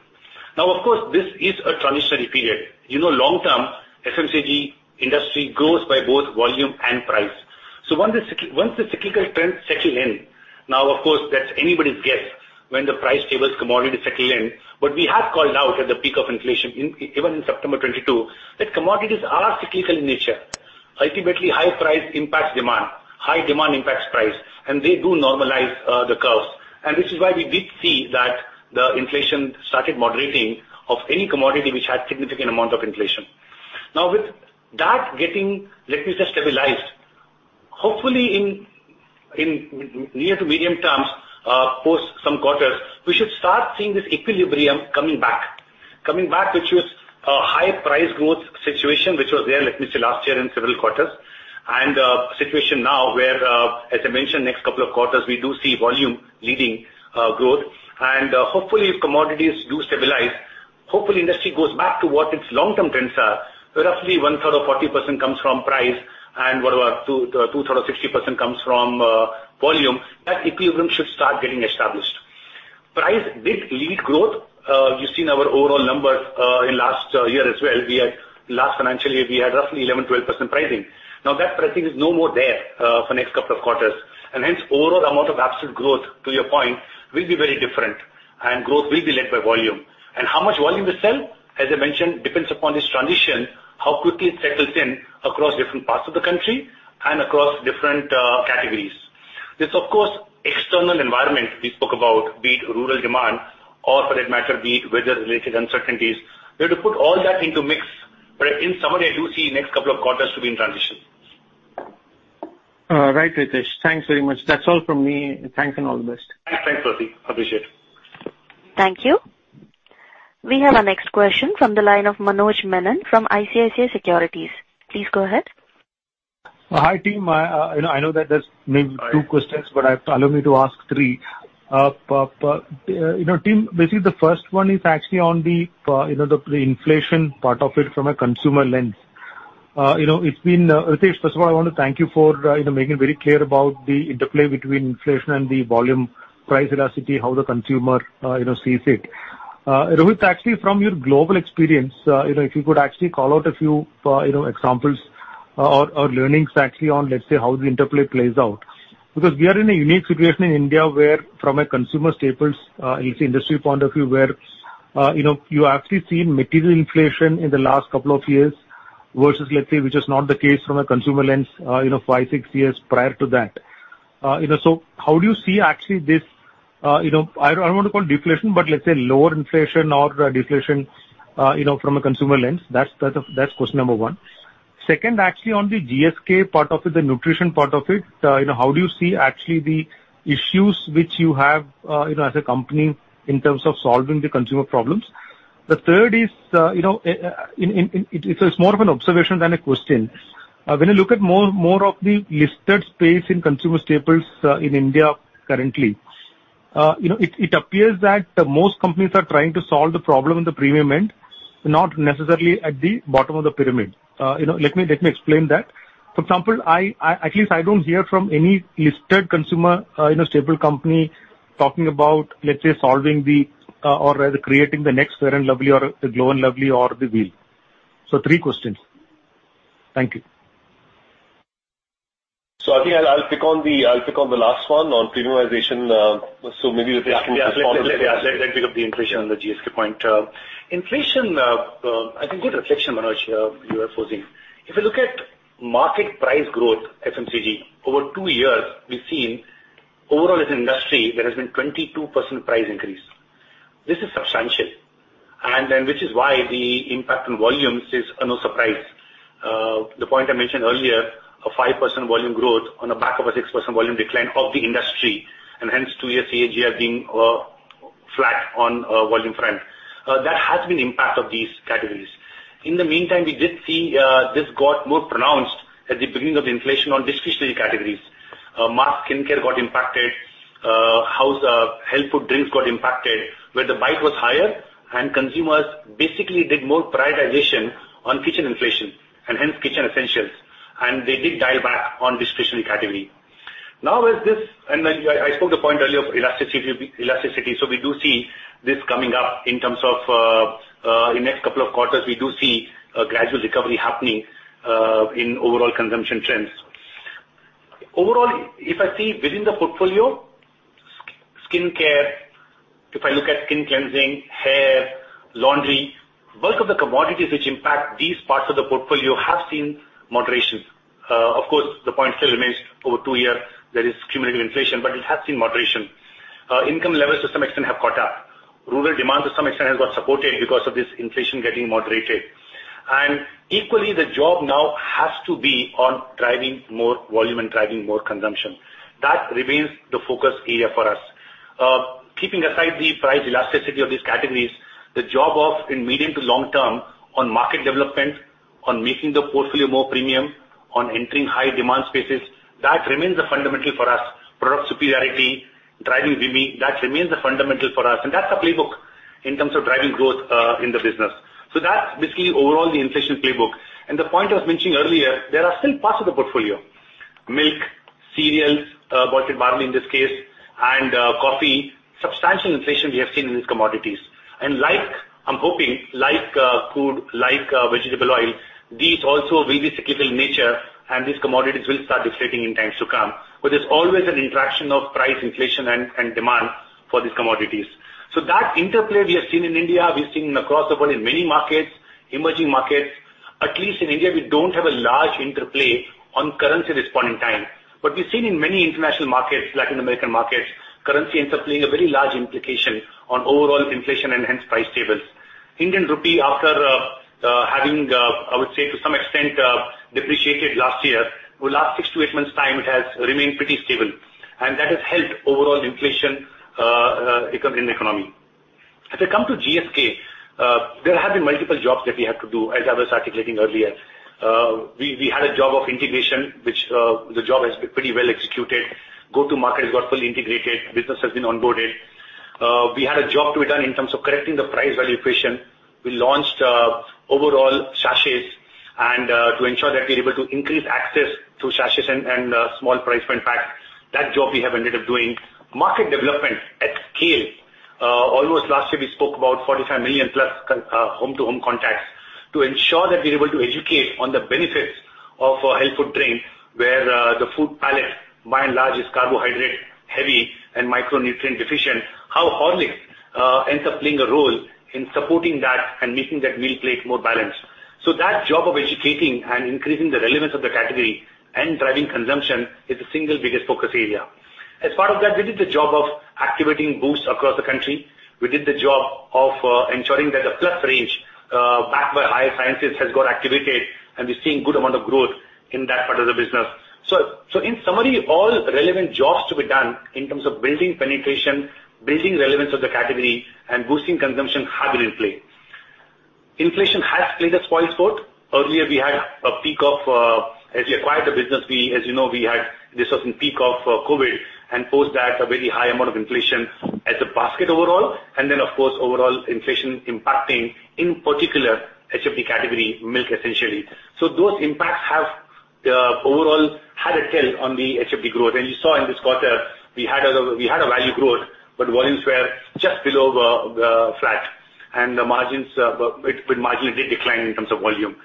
Of course, this is a transitory period. You know, long term, FMCG industry grows by both volume and price. Once the cyclical trends settle in. Of course, that's anybody's guess, when the price stable commodity settle in. We have called out at the peak of inflation, even in September 2022, that commodities are cyclical in nature. Ultimately, high price impacts demand, high demand impacts price, and they do normalize the curves. This is why we did see that the inflation started moderating of any commodity which had significant amount of inflation. With that getting, let me say, stabilized, hopefully, in near to medium terms, post some quarters, we should start seeing this equilibrium coming back. Coming back, which was a high price growth situation, which was there, let me say, last year in several quarters, situation now where, as I mentioned, next couple of quarters, we do see volume leading growth. Hopefully, if commodities do stabilize, hopefully, industry goes back to what its long-term trends are. Roughly 1/3 or 40% comes from price, and what about 2/3 or 60% comes from volume. That equilibrium should start getting established. Price did lead growth. You've seen our overall numbers in last year as well. We had, last financial year, we had roughly 11%, 12% pricing. That pricing is no more there for next couple of quarters, and hence, overall amount of absolute growth, to your point, will be very different, and growth will be led by volume. How much volume we sell, as I mentioned, depends upon this transition, how quickly it settles in across different parts of the country and across different categories. Of course, external environment we spoke about, be it rural demand or for that matter, be it weather-related uncertainties. We have to put all that into mix, in summary, I do see next couple of quarters to be in transition. Right, Ritesh. Thanks very much. That's all from me. Thanks, and all the best. Thanks, Percy. Appreciate it. Thank you. We have our next question from the line of Manoj Menon from ICICI Securities. Please go ahead. Hi, team. I know that there's maybe two questions, but allow me to ask three. You know, team, basically, the first one is actually on the, you know, the inflation part of it from a consumer lens. You know, it's been. Ritesh, first of all, I want to thank you for, you know, making it very clear about the interplay between inflation and the volume price elasticity, how the consumer, you know, sees it. Rohit, actually, from your global experience, you know, if you could actually call out a few, you know, examples or learnings actually on, let's say, how the interplay plays out. We are in a unique situation in India, where from a consumer staples industry point of view, where, you know, you've actually seen material inflation in the last couple of years versus, let's say, which is not the case from a consumer lens, you know, five, six years prior to that. You know, so how do you see actually this, you know, I don't want to call it deflation, but let's say, lower inflation or deflation, you know, from a consumer lens? That's, that's question number one. Second, actually, on the GSK part of it, the nutrition part of it, you know, how do you see actually the issues which you have, you know, as a company in terms of solving the consumer problems? The third is, you know, it's more of an observation than a question. When you look at more of the listed space in consumer staples, in India currently, you know, it appears that most companies are trying to solve the problem in the premium end, not necessarily at the bottom of the pyramid. You know, let me explain that. For example, At least I don't hear from any listed consumer, you know, staple company talking about, let's say, solving the or rather, creating the next Fair & Lovely or the Glow & Lovely or the Veil. Three questions. Thank you. I think I'll pick on the last one, on premiumization. Yeah. Let me pick up the inflation on the GSK point. Inflation, I think good reflection, Manoj, you are posing. If you look at market price growth, FMCG, over two years, we've seen overall as an industry, there has been 22% price increase. This is substantial, which is why the impact on volumes is no surprise. The point I mentioned earlier, a 5% volume growth on the back of a 6% volume decline of the industry, and hence, two-year CAGR being flat on volume front. That has been impact of these categories. In the meantime, we did see this got more pronounced at the beginning of the inflation on discretionary categories. Mass skincare got impacted, health food drinks got impacted, where the bite was higher. Consumers basically did more prioritization on kitchen inflation, hence kitchen essentials, they did dial back on discretionary category. Then I spoke the point earlier of elasticity. We do see this coming up in terms of in next couple of quarters, we do see a gradual recovery happening in overall consumption trends. Overall, if I see within the portfolio, skincare, if I look at skin cleansing, hair, laundry, bulk of the commodities which impact these parts of the portfolio have seen moderation. Of course, the point still remains over 2 years, there is cumulative inflation, but it has seen moderation. Income levels to some extent have caught up. Rural demand to some extent has got supported because of this inflation getting moderated. Equally, the job now has to be on driving more volume and driving more consumption. That remains the focus area for us. Keeping aside the price elasticity of these categories, the job of in medium to long term on market development, on making the portfolio more premium, on entering high demand spaces, that remains the fundamental for us. Product superiority, driving WiMI, that remains the fundamental for us, and that's the playbook in terms of driving growth in the business. That's basically overall the inflation playbook. The point I was mentioning earlier, there are still parts of the portfolio, milk, cereals, bottled barley in this case, and coffee, substantial inflation we have seen in these commodities. Like, I'm hoping, like, food, like, vegetable oil, these also will be cyclical in nature, and these commodities will start deflating in times to come. There's always an interaction of price inflation and demand for these commodities. That interplay we have seen in India, we've seen across the world in many markets, emerging markets. At least in India, we don't have a large interplay on currency this point in time. We've seen in many international markets, Latin American markets, currency ends up playing a very large implication on overall inflation and hence price tables. Indian rupee, after having, I would say to some extent, depreciated last year, over last six to eight months time, it has remained pretty stable, and that has helped overall inflation in the economy. If I come to GSK, there have been multiple jobs that we had to do, as I was articulating earlier. We had a job of integration, which the job has been pretty well executed. Go-to-market has got fully integrated, business has been onboarded. We had a job to be done in terms of correcting the price value equation. We launched overall sachets and to ensure that we're able to increase access to sachets and small price point pack. That job we have ended up doing. Market development at scale. Almost last year, we spoke about 45 million plus home-to-home contacts to ensure that we're able to educate on the benefits of health food drink, where the food palette, by and large, is carbohydrate-heavy and micronutrient deficient, how Horlicks ends up playing a role in supporting that and making that meal plate more balanced. That job of educating and increasing the relevance of the category and driving consumption is the single biggest focus area. As part of that, we did the job of activating booths across the country. We did the job of ensuring that the plus range, backed by higher scientists, has got activated, and we're seeing good amount of growth in that part of the business. In summary, all relevant jobs to be done in terms of building penetration, building relevance of the category, and boosting consumption have been in play. Inflation has played a spoilsport. Earlier, we had a peak of as we acquired the business, we, as you know, we had. This was in peak of COVID, and post that, a very high amount of inflation as a basket overall, and then, of course, overall inflation impacting, in particular, HFD category milk, essentially. Those impacts have overall had a tail on the HFD growth. You saw in this quarter, we had a value growth, but volumes were just below flat, and the margins with margins, it declined in terms of volume.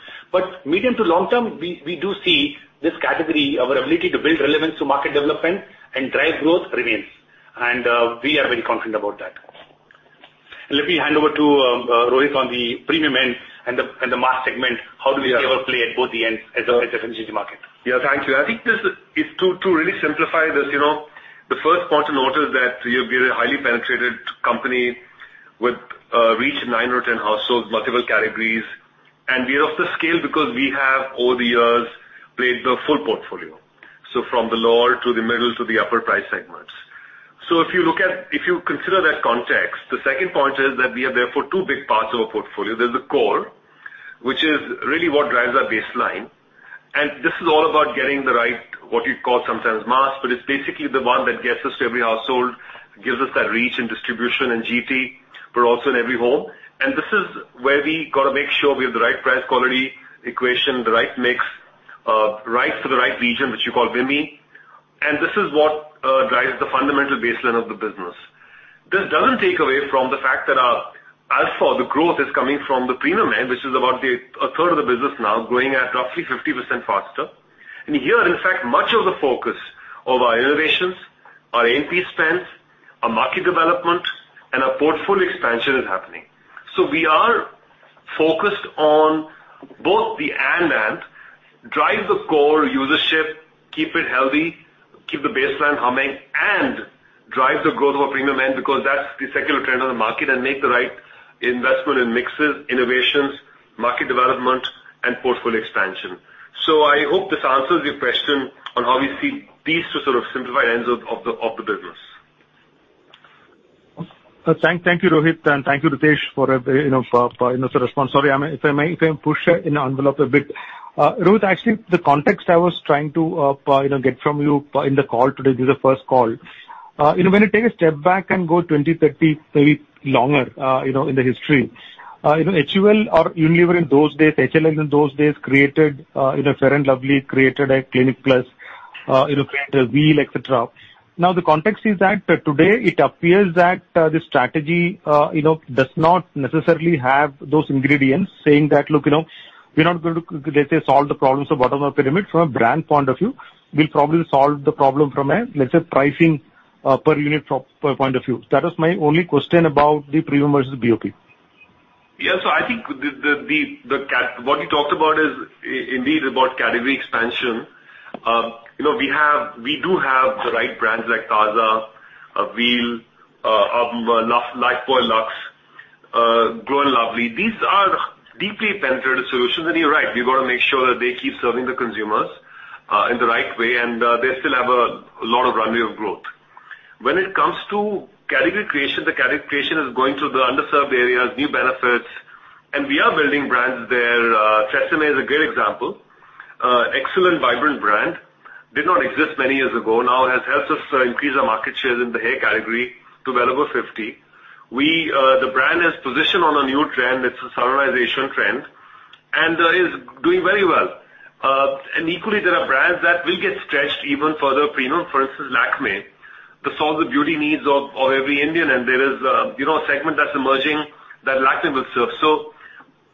Medium to long term, we do see this category, our ability to build relevance to market development and drive growth remains. We are very confident about that. Let me hand over to Rohit on the premium end and the mass segment. How do we play at both the ends as an FMCG market? Yeah, thank you. I think this is to really simplify this, you know, the first point to note is that we are a highly penetrated company with reach 9 or 10 households, multiple categories, and we are of the scale because we have, over the years, played the full portfolio. From the lower to the middle to the upper price segments. If you consider that context, the second point is that we have therefore two big parts of our portfolio. There's the core, which is really what drives our baseline, and this is all about getting the right, what you call sometimes mass, but it's basically the one that gets us to every household, gives us that reach and distribution and GT, but also in every home. This is where we got to make sure we have the right price quality equation, the right mix, right for the right region, which you call WiMI, and this is what drives the fundamental baseline of the business. This doesn't take away from the fact that our, as for the growth, is coming from the premium end, which is about a third of the business now, growing at roughly 50% faster. Here, in fact, much of the focus of our innovations, our A&P spends, our market development, and our portfolio expansion is happening. We are focused on both the and, drive the core usership, keep it healthy, keep the baseline humming, and drive the growth of our premium end, because that's the secular trend of the market, and make the right investment in mixes, innovations, market development, and portfolio expansion. I hope this answers your question on how we see these two sort of simplified ends of the business. Thank you, Rohit, and thank you, Ritesh, for, you know, the response. Sorry, I mean, if I may, if I push the envelope a bit. Rohit, actually, the context I was trying to, you know, get from you, in the call today, this is the first call. You know, when you take a step back and go 20, 30, maybe longer, you know, in the history, you know, HUL or Unilever in those days, HLL in those days, created, you know, Fair & Lovely, created a Clinic Plus, you know, created a Veet, et cetera. The context is that today it appears that the strategy, you know, does not necessarily have those ingredients, saying that, "Look, you know, we're not going to, let's say, solve the problems of bottom of pyramid from a brand point of view. We'll probably solve the problem from a, let's say, pricing, per unit point of view." That was my only question about the premium versus the BOP. I think the what you talked about is indeed about category expansion. you know, we have, we do have the right brands like Taza, Veet, Lux, Lifebuoy Lux, Glow & Lovely. These are deeply penetrated solutions, and you're right, we've got to make sure that they keep serving the consumers in the right way, and they still have a lot of runway of growth. When it comes to category creation, the category creation is going to the underserved areas, new benefits, and we are building brands there. Sesame is a great example. Excellent, vibrant brand. Did not exist many years ago, now it has helped us increase our market share in the hair category to well over 50. The brand is positioned on a new trend. It's a solarization trend and is doing very well. Equally, there are brands that will get stretched even further premium. For instance, Lakmē, to solve the beauty needs of every Indian, and there is a, you know, segment that's emerging that Lakmē will serve.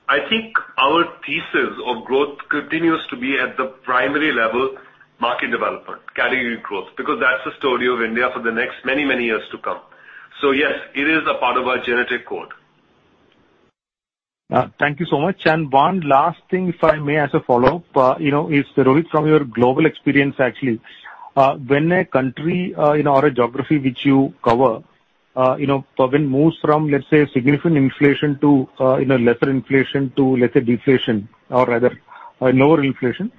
I think our thesis of growth continues to be at the primary level, market development, category growth, because that's the story of India for the next many, many years to come. Yes, it is a part of our genetic code. Thank you so much. One last thing, if I may, as a follow-up, you know, is, Rohit, from your global experience, actually, when a country, you know, or a geography which you cover, you know, when moves from, let's say, significant inflation to, you know, lesser inflation to, let's say, deflation or rather a lower inflation,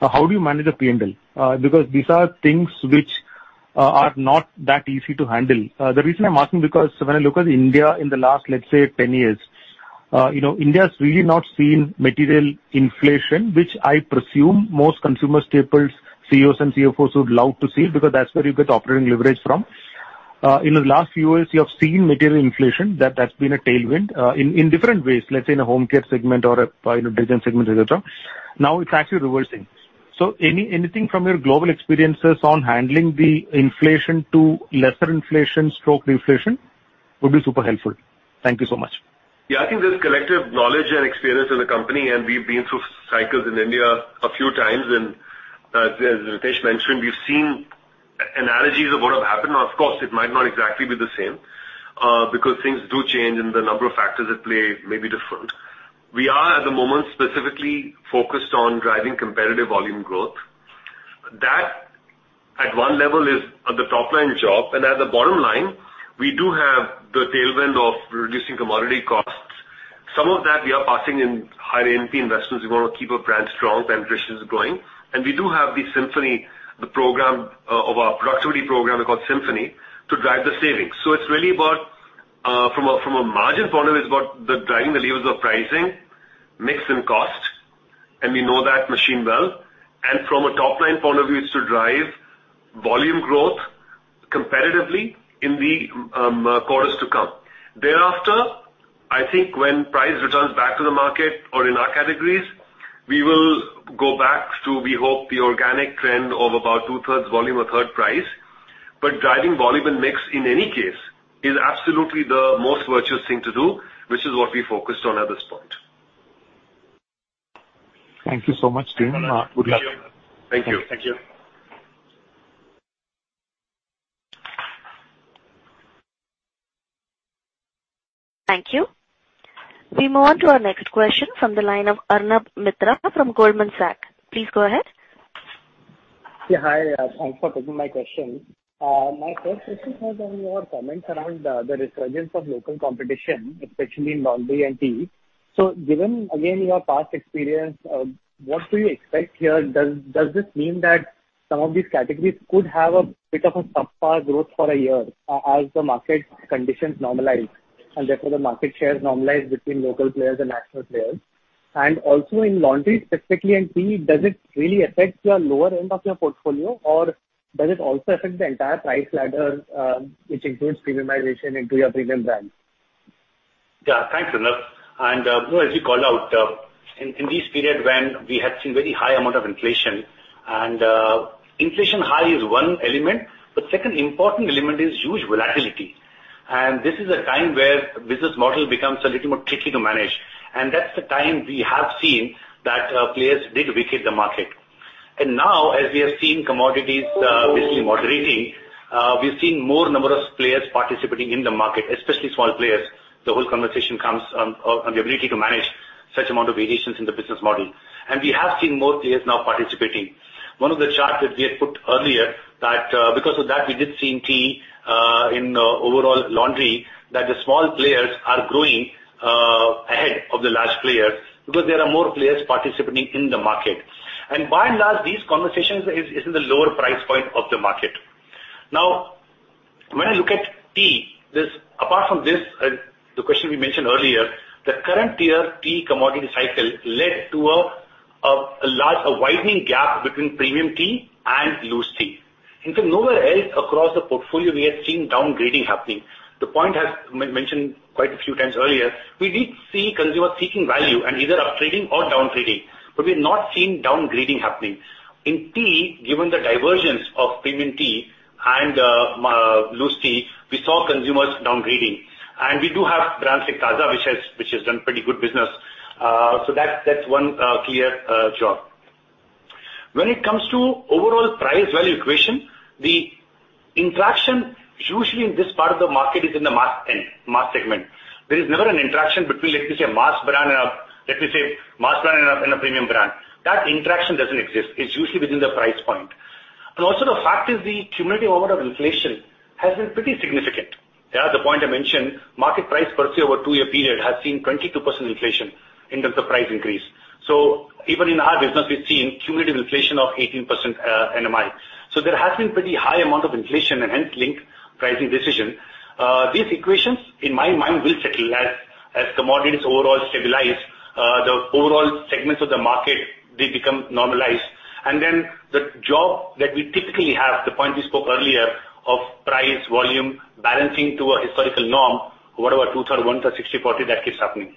how do you manage the P&L? Because these are things which are not that easy to handle. The reason I'm asking, because when I look at India in the last, let's say, 10 years, you know, India's really not seen material inflation, which I presume most consumer staples CEOs and CFOs would love to see, because that's where you get operating leverage from. In the last few years, you have seen material inflation, that's been a tailwind, in different ways, let's say in a home care segment or a, you know, segment, et cetera. Now it's actually reversing. Anything from your global experiences on handling the inflation to lesser inflation/deflation would be super helpful. Thank you so much. I think there's collective knowledge and experience in the company, and we've been through cycles in India a few times, as Ritesh mentioned, we've seen analogies of what have happened. Of course, it might not exactly be the same, because things do change and the number of factors at play may be different. We are, at the moment, specifically focused on driving competitive volume growth. That, at one level, is at the top-line job, and at the bottom line, we do have the tailwind of reducing commodity costs. Some of that we are passing in higher A&P investments. We want to keep our brand strong, penetration is growing. We do have the Symphony, the program, of our productivity program called Symphony, to drive the savings. It's really about from a margin point of view, it's about the driving the levers of pricing, mix and cost, and we know that machine well. From a top-line point of view, it's to drive volume growth competitively in the quarters to come. Thereafter, I think when price returns back to the market or in our categories, we will go back to, we hope, the organic trend of about two-thirds volume, a third price. Driving volume and mix, in any case, is absolutely the most virtuous thing to do, which is what we focused on at this point. Thank you so much, team. Good luck. Thank you. Thank you. Thank you. We move on to our next question from the line of Arnab Mitra from Goldman Sachs. Please go ahead. Yeah, hi, thanks for taking my question. My first question is on your comments around the resurgence of local competition, especially in laundry and tea. Given, again, your past experience, what do you expect here? Does this mean that some of these categories could have a bit of a subpar growth for a year, as the market conditions normalize, and therefore the market shares normalize between local players and national players? Also in laundry, specifically in tea, does it really affect your lower end of your portfolio, or does it also affect the entire price ladder, which includes premiumization into your premium brands? Yeah, thanks, Arnab. You know, as you called out, in this period when we had seen very high amount of inflation high is one element, but second important element is huge volatility. This is a time where business model becomes a little more tricky to manage, and that's the time we have seen that players did vacate the market. Now, as we have seen commodities, basically moderating, we've seen more number of players participating in the market, especially small players. The whole conversation comes on the ability to manage such amount of variations in the business model, and we have seen more players now participating. One of the charts that we had put earlier, that, because of that, we did see in tea, in overall laundry, that the small players are growing ahead of the large players because there are more players participating in the market. By and large, these conversations is in the lower price point of the market. When I look at tea, apart from this, the question we mentioned earlier, the current year tea commodity cycle led to a large, a widening gap between premium tea and loose tea. Nowhere else across the portfolio we have seen downgrading happening. The point has me-mentioned quite a few times earlier, we did see consumers seeking value and either up trading or down trading, but we've not seen downgrading happening. In tea, given the divergence of premium tea and loose tea, we saw consumers downgrading, and we do have brands like Taza, which has done pretty good business. That's one clear job. When it comes to overall price-value equation, the interaction usually in this part of the market is in the mass end, mass segment. There is never an interaction between, let me say, a mass brand and a, let me say, mass brand and a, and a premium brand. That interaction doesn't exist. It's usually within the price point. Also, the fact is the cumulative order of inflation has been pretty significant. The point I mentioned, market price per se, over two-year period has seen 22% inflation in terms of price increase. Even in our business, we've seen cumulative inflation of 18% NMI. There has been pretty high amount of inflation and hence link pricing decision. These equations, in my mind, will settle as commodities overall stabilize, the overall segments of the market, they become normalized. Then the job that we typically have, the point we spoke earlier of price, volume, balancing to a historical norm, whatever 2/3, 1/3, 60/40, that keeps happening.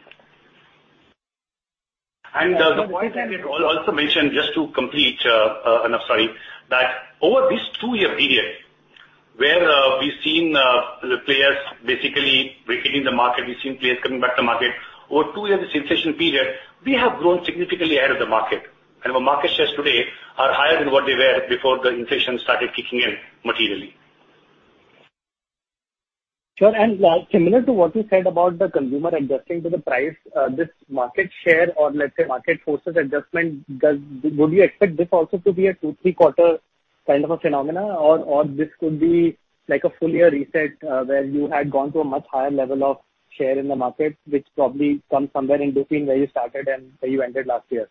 Also mentioned, just to complete, and I'm sorry, that over this two-year period where we've seen the players basically vacating the market, we've seen players coming back to market. Over two years inflation period, we have grown significantly ahead of the market, and our market shares today are higher than what they were before the inflation started kicking in materially. Sure. Similar to what you said about the consumer adjusting to the price, this market share or let's say, market forces adjustment, would you expect this also to be a two, three quarter kind of a phenomena, or this could be like a full year reset, where you had gone to a much higher level of share in the market, which probably comes somewhere in between where you started and where you ended last year?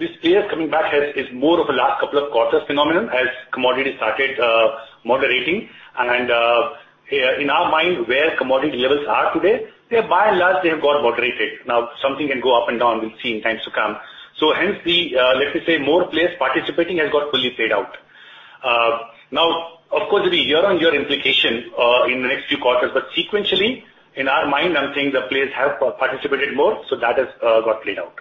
This players coming back is more of a last couple of quarters phenomenon as commodities started moderating. In our mind, where commodity levels are today, they by and large have got moderated. Now, something can go up and down, we'll see in times to come. Hence the, let me say, more players participating has got fully played out. Now, of course, it'll be year-on-year implication in the next few quarters, but sequentially, in our mind, I'm saying the players have participated more, that has got played out.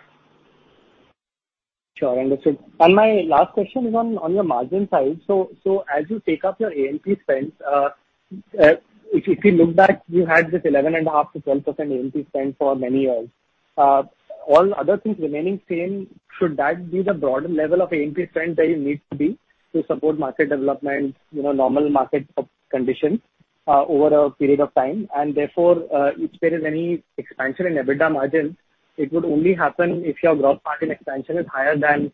Sure. Understood. My last question is on your margin side. As you take up your AMP spends, if you look back, you had this 11.5%-12% AMP spend for many years. All other things remaining same, should that be the broader level of AMP spend that you need to be to support market development, you know, normal market of condition, over a period of time? Therefore, if there is any expansion in EBITDA margin, it would only happen if your gross margin expansion is higher than,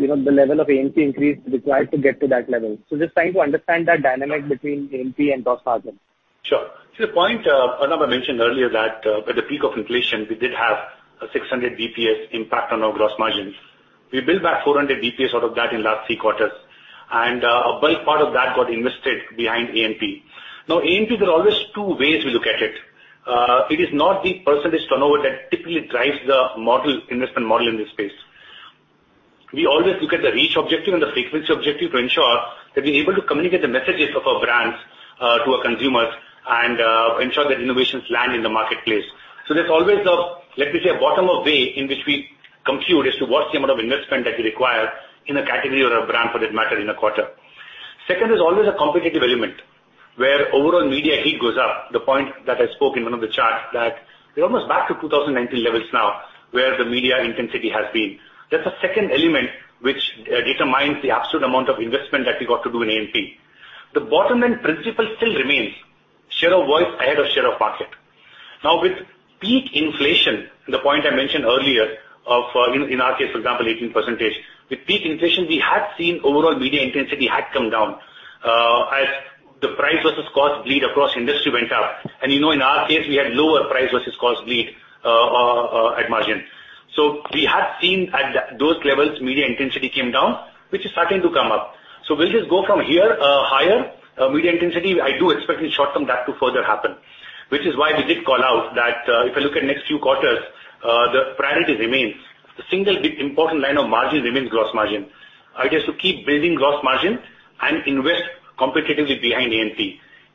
you know, the level of AMP increase required to get to that level. Just trying to understand that dynamic between AMP and gross margin. Sure. See, the point Arnab mentioned earlier, that at the peak of inflation, we did have a 600 bps impact on our gross margins. We built back 400 bps out of that in last three quarters, a bulk part of that got invested behind AMP. Now, AMP, there are always two ways we look at it. It is not the percentage turnover that typically drives the model, investment model in this space. We always look at the reach objective and the frequency objective to ensure that we're able to communicate the messages of our brands, to our consumers and ensure that innovations land in the marketplace. There's always a, let me say, a bottom-up way in which we compute as to what's the amount of investment that we require in a category or a brand, for that matter, in a quarter. Second is always a competitive element, where overall media heat goes up. The point that I spoke in one of the charts, that we're almost back to 2019 levels now, where the media intensity has been. That's the second element which determines the absolute amount of investment that we got to do in AMP. The bottom-line principle still remains: share of voice ahead of share of market. With peak inflation, the point I mentioned earlier of in our case, for example, 18%. With peak inflation, we have seen overall media intensity had come down as the price versus cost bleed across industry went up. You know, in our case, we had lower price versus cost bleed at margin. We have seen at those levels, media intensity came down, which is starting to come up. Will this go from here higher? Media intensity, I do expect in short term that to further happen, which is why if I look at next few quarters, the priority remains. The single big important line of margin remains gross margin. Idea is to keep building gross margin and invest competitively behind AMP.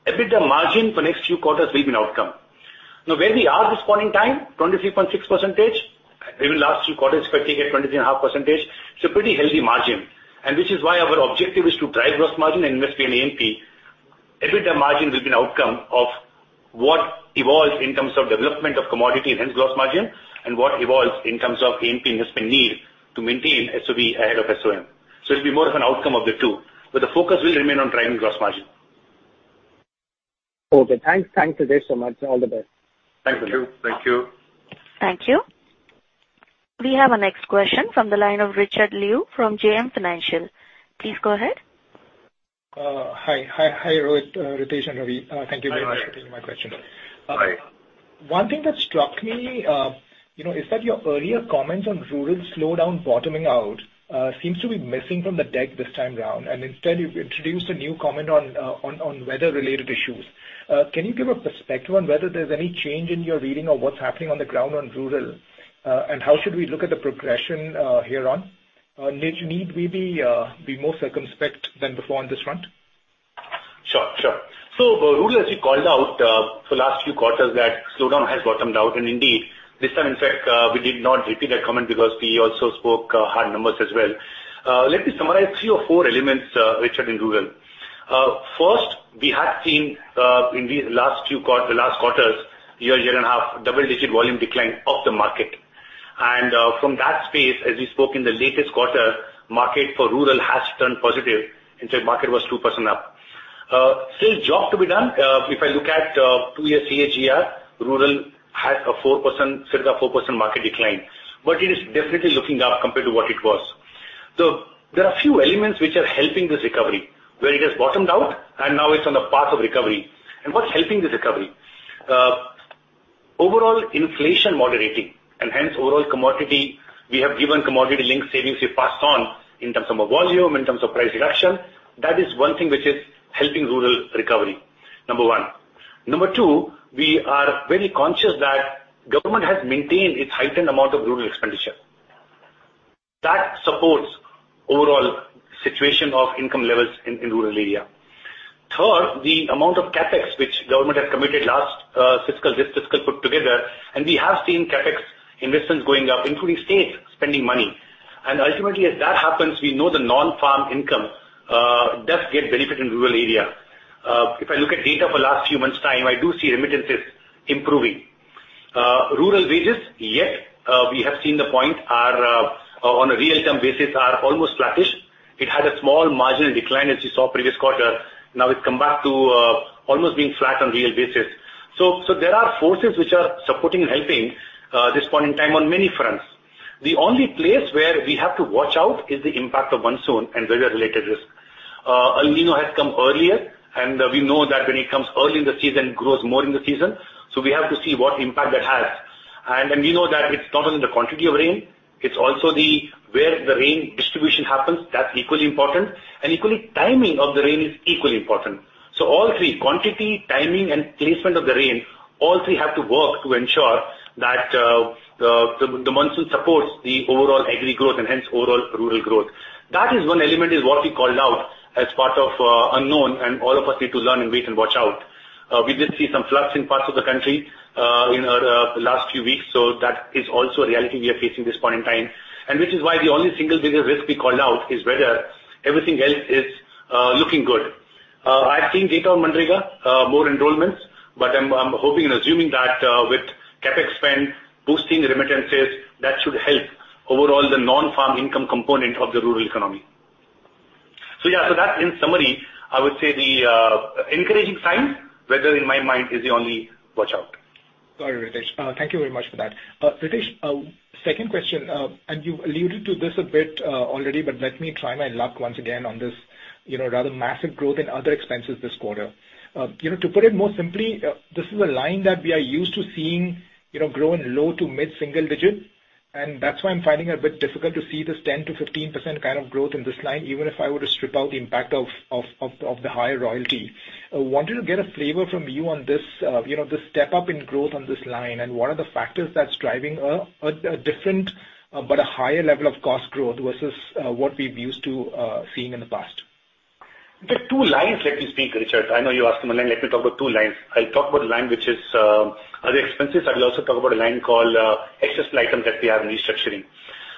EBITDA margin for next few quarters will be an outcome. Where we are this point in time, 23.6%, even last few quarters, 23.5%. It's a pretty healthy margin, and which is why our objective is to drive gross margin and invest in AMP. EBITDA margin will be an outcome of what evolves in terms of development of commodity and hence gross margin, and what evolves in terms of AMP investment need to maintain SOV ahead of SOM. It'll be more of an outcome of the two, but the focus will remain on driving gross margin. Okay, thanks. Thanks, Ritesh, so much. All the best. Thank you. Thank you. Thank you. We have our next question from the line of Richard Liu from JM Financial. Please go ahead. Hi. Hi, Ritesh and Ravi. Thank you very much for taking my question. Hi. One thing that struck me, you know, is that your earlier comment on rural slowdown bottoming out, seems to be missing from the deck this time around. Instead, you've introduced a new comment on weather-related issues. Can you give a perspective on whether there's any change in your reading of what's happening on the ground on rural? How should we look at the progression, here on? Did you need maybe, be more circumspect than before on this front? Sure, sure. Rural, as you called out, for last few quarters, that slowdown has bottomed out. Indeed, this time, in fact, we did not repeat that comment because we also spoke hard numbers as well. Let me summarize three or four elements, Richard, in rural. First, we had seen, in these last few the last quarters, year and a half, double-digit volume decline of the market. From that space, as we spoke in the latest quarter, market for rural has turned positive, in fact market was 2% up. Still job to be done. If I look at, two-year CAGR, rural has a 4%, circa 4% market decline, but it is definitely looking up compared to what it was. There are a few elements which are helping this recovery, where it has bottomed out and now it's on the path of recovery. What's helping this recovery? Overall inflation moderating and hence overall commodity, we have given commodity link savings we passed on in terms of volume, in terms of price reduction. That is one thing which is helping rural recovery, number one. Number two, we are very conscious that government has maintained its heightened amount of rural expenditure. That supports overall situation of income levels in rural area. Third, the amount of CapEx which government has committed last fiscal, this fiscal put together, and we have seen CapEx investments going up, including state spending money. Ultimately, as that happens, we know the non-farm income does get benefit in rural area. If I look at data for last few months' time, I do see remittances improving. Rural wages, yes, we have seen the point are on a real-term basis, are almost flattish. It had a small marginal decline, as you saw previous quarter. Now it's come back to almost being flat on real basis. There are forces which are supporting and helping this point in time on many fronts. The only place where we have to watch out is the impact of monsoon and weather-related risk. El Niño has come earlier, and we know that when it comes early in the season, it grows more in the season. We have to see what impact that has. We know that it's not only the quantity of rain, it's also the where the rain distribution happens, that's equally important. Equally, timing of the rain is equally important. All three: quantity, timing, and placement of the rain, all three have to work to ensure that the monsoon supports the overall agri growth and hence overall rural growth. That is one element is what we called out as part of unknown, and all of us need to learn and wait and watch out. We did see some floods in parts of the country in the last few weeks, so that is also a reality we are facing this point in time. Which is why the only single biggest risk we called out is weather. Everything else is looking good. I've seen data on MGNREGA, more enrollments, I'm hoping and assuming that with CapEx spend, boosting remittances, that should help overall the non-farm income component of the rural economy. Yeah, that in summary, I would say the encouraging sign. Weather in my mind is the only watch out. Sorry, Ritesh. Thank you very much for that. Ritesh, second question, you've alluded to this a bit already, but let me try my luck once again on this, you know, rather massive growth in other expenses this quarter. You know, to put it more simply, this is a line that we are used to seeing, you know, grow in low to mid-single digit, that's why I'm finding a bit difficult to see this 10%-15% kind of growth in this line, even if I were to strip out the impact of the higher royalty. I wanted to get a flavor from you on this, you know, this step-up in growth on this line, and what are the factors that's driving a different, but a higher level of cost growth versus, what we've used to, seeing in the past? There are two lines, let me speak, Richard. I know you asked me one line, let me talk about two lines. I'll talk about the line, which is other expenses. I'll also talk about a line called excess items that we are restructuring.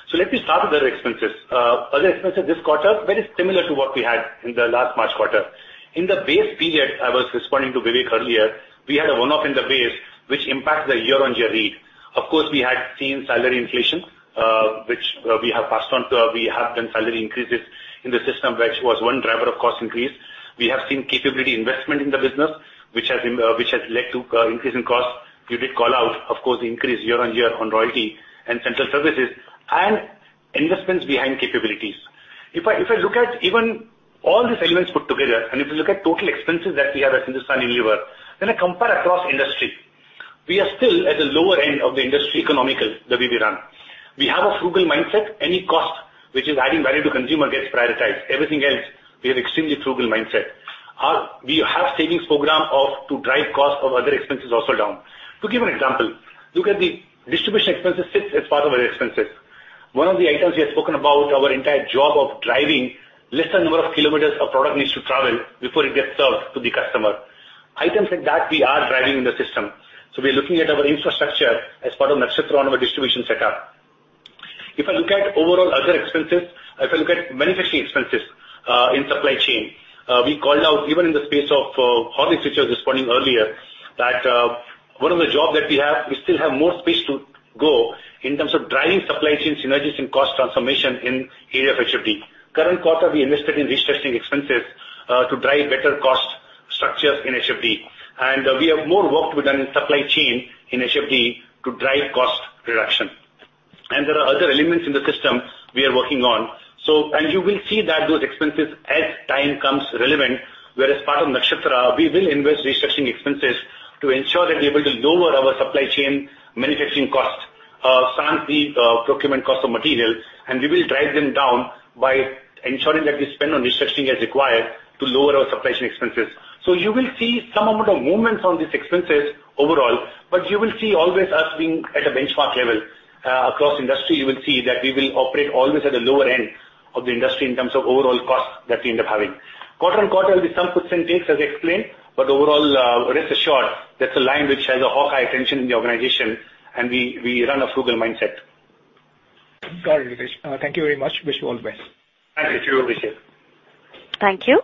So let me start with other expenses. Other expenses this quarter, very similar to what we had in the last March quarter. In the base period, I was responding to Vivek earlier, we had a one-off in the base, which impacted the year-on-year read. Of course, we had seen salary inflation, which we have done salary increases in the system, which was one driver of cost increase. We have seen capability investment in the business, which has been, which has led to increase in costs. We did call out, of course, the increase year-on-year on royalty and central services and investments behind capabilities. If I look at even all these elements put together, if you look at total expenses that we have as Hindustan Unilever, when I compare across industry, we are still at the lower end of the industry economical that we run. We have a frugal mindset. Any cost which is adding value to consumer gets prioritized. Everything else, we have extremely frugal mindset. We have savings program of to drive cost of other expenses also down. To give an example, look at the distribution expenses sits as part of our expenses. One of the items we have spoken about, our entire job of driving less than number of kilometers a product needs to travel before it gets served to the customer. Items like that, we are driving in the system. We are looking at our infrastructure as part of Nakshatra on our distribution setup. If I look at overall other expenses, if I look at manufacturing expenses, in supply chain, we called out even in the space of holiday features this morning earlier, that one of the job that we have, we still have more space to go in terms of driving supply chain synergies and cost transformation in area of HFD. Current quarter, we invested in restructuring expenses, to drive better cost structures in HFD, and we have more work to be done in supply chain in HFD to drive cost reduction. There are other elements in the system we are working on. You will see that those expenses as time comes relevant, where as part of Nakshatra, we will invest restructuring expenses to ensure that we are able to lower our supply chain manufacturing costs, sans the procurement cost of material, and we will drive them down by ensuring that we spend on restructuring as required to lower our supply chain expenses. You will see some amount of movements on these expenses overall, but you will see always us being at a benchmark level. Across industry, you will see that we will operate always at the lower end of the industry in terms of overall costs that we end up having. Quarter-on-quarter, will be some puts and takes, as I explained, but overall, rest assured, that's a line which has a hawk-eye attention in the organization, and we run a frugal mindset. Got it, Ritesh. Thank you very much. Wish you all the best. Thank you. Thank you.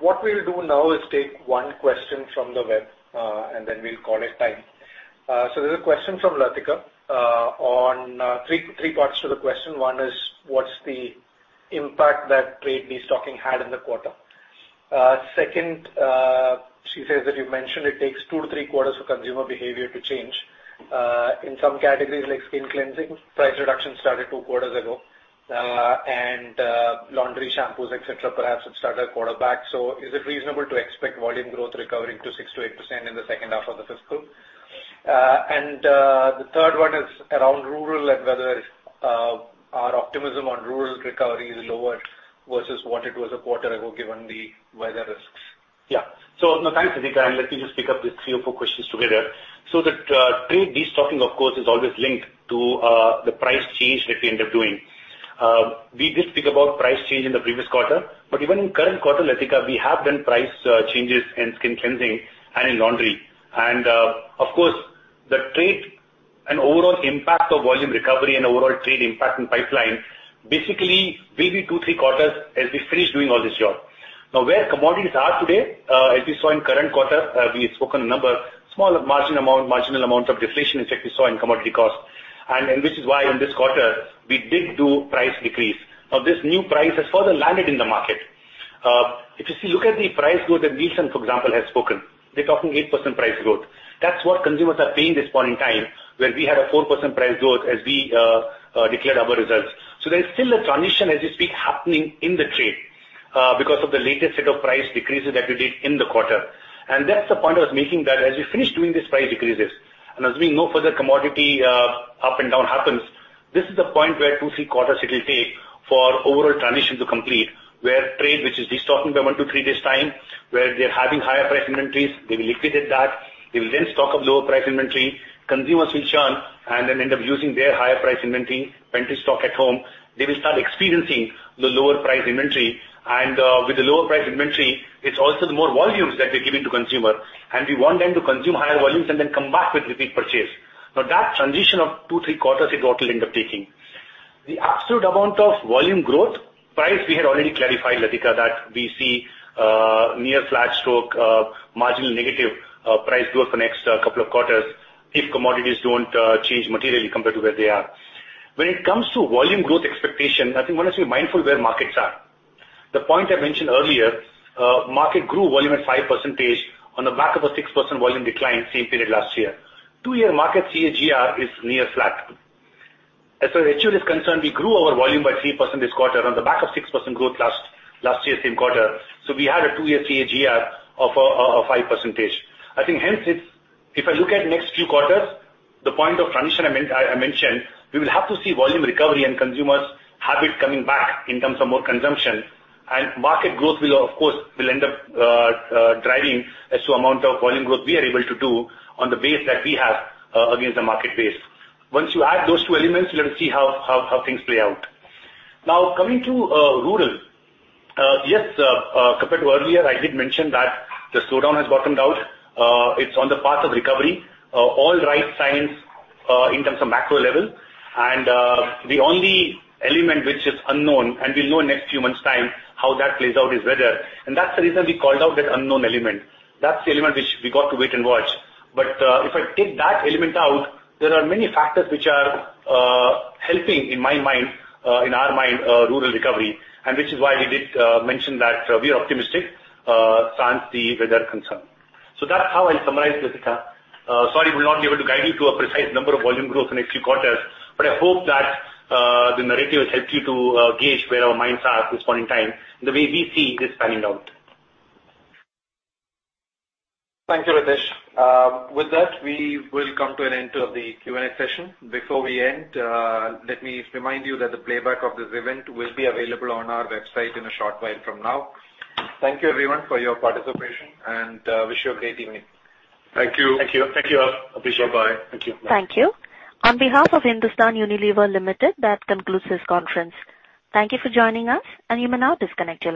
What we will do now is take one question from the web, and then we'll call it time. There's a question from Latika on three parts to the question. One is: What's the impact that trade destocking had in the quarter? Second, she says that you've mentioned it takes two-three quarters for consumer behavior to change. In some categories, like skin cleansing, price reduction started two quarters ago, and laundry, shampoos, et cetera, perhaps it started a quarter back. Is it reasonable to expect volume growth recovering to 6%-8% in the second half of the fiscal? Third one is around rural and whether our optimism on rural recovery is lowered versus what it was a quarter ago, given the weather risks. Yeah. Thanks, Latika, and let me just pick up these three or four questions together. The trade destocking, of course, is always linked to the price change that we end up doing. We did speak about price change in the previous quarter, but even in current quarter, Latika, we have done price changes in skin cleansing and in laundry. Of course, the trade and overall impact of volume recovery and overall trade impact in pipeline basically may be two, three quarters as we finish doing all this job. Where commodities are today, as we saw in current quarter, we had spoken a number, small margin amount, marginal amount of deflation, in fact, we saw in commodity costs. Which is why in this quarter, we did do price decrease. This new price has further landed in the market. If you see, look at the price growth that Nielsen, for example, has spoken. They're talking 8% price growth. That's what consumers are paying this point in time, where we had a 4% price growth as we declared our results. There is still a transition, as you speak, happening in the trade because of the latest set of price decreases that we did in the quarter. That's the point I was making, that as we finish doing these price decreases and as we no further commodity up and down happens, this is the point where two, three quarters it will take for overall transition to complete, where trade, which is destocking by one to three this time, where they're having higher price inventories, they will liquidate that. They will then stock up lower price inventory. Consumers will churn and then end up using their higher price inventory stock at home. They will start experiencing the lower price inventory. With the lower price inventory, it's also the more volumes that we're giving to consumer, and we want them to consume higher volumes and then come back with repeat purchase. That transition of two, three quarters is what will end up taking. The absolute amount of volume growth, price, we had already clarified, Latika, that we see near flat stroke marginal negative price growth for next couple of quarters if commodities don't change materially compared to where they are. When it comes to volume growth expectation, I think we want to be mindful where markets are. The point I mentioned earlier, market grew volume at 5% on the back of a 6% volume decline, same period last year. Two-year market CAGR is near flat. As far as HFD is concerned, we grew our volume by 3% this quarter on the back of 6% growth last year, same quarter. We had a two-year CAGR of a 5%. I think, hence, if I look at next few quarters, the point of transition I mentioned, we will have to see volume recovery and consumers' habit coming back in terms of more consumption. Market growth will, of course, will end up driving as to amount of volume growth we are able to do on the base that we have against the market base. Once you add those two elements, let us see how things play out. Coming to rural, yes, compared to earlier, I did mention that the slowdown has bottomed out. It's on the path of recovery. All right signs, in terms of macro level, and the only element which is unknown, and we'll know in next few months' time how that plays out, is weather. That's the reason we called out that unknown element. That's the element which we got to wait and watch. If I take that element out, there are many factors which are helping in my mind, in our mind, rural recovery, and which is why we did mention that we are optimistic, sans the weather concern. That's how I'll summarize, Latika. Sorry, we're not able to guide you to a precise number of volume growth in next few quarters, but I hope that the narrative has helped you to gauge where our minds are at this point in time, the way we see this panning out. Thank you, Ritesh. With that, we will come to an end of the Q&A session. Before we end, let me remind you that the playback of this event will be available on our website in a short while from now. Thank you, everyone, for your participation, and wish you a great evening. Thank you. Thank you. Thank you, all. Appreciate. Bye-bye. Thank you. On behalf of Hindustan Unilever Limited, that concludes this conference. Thank you for joining us, and you may now disconnect your lines.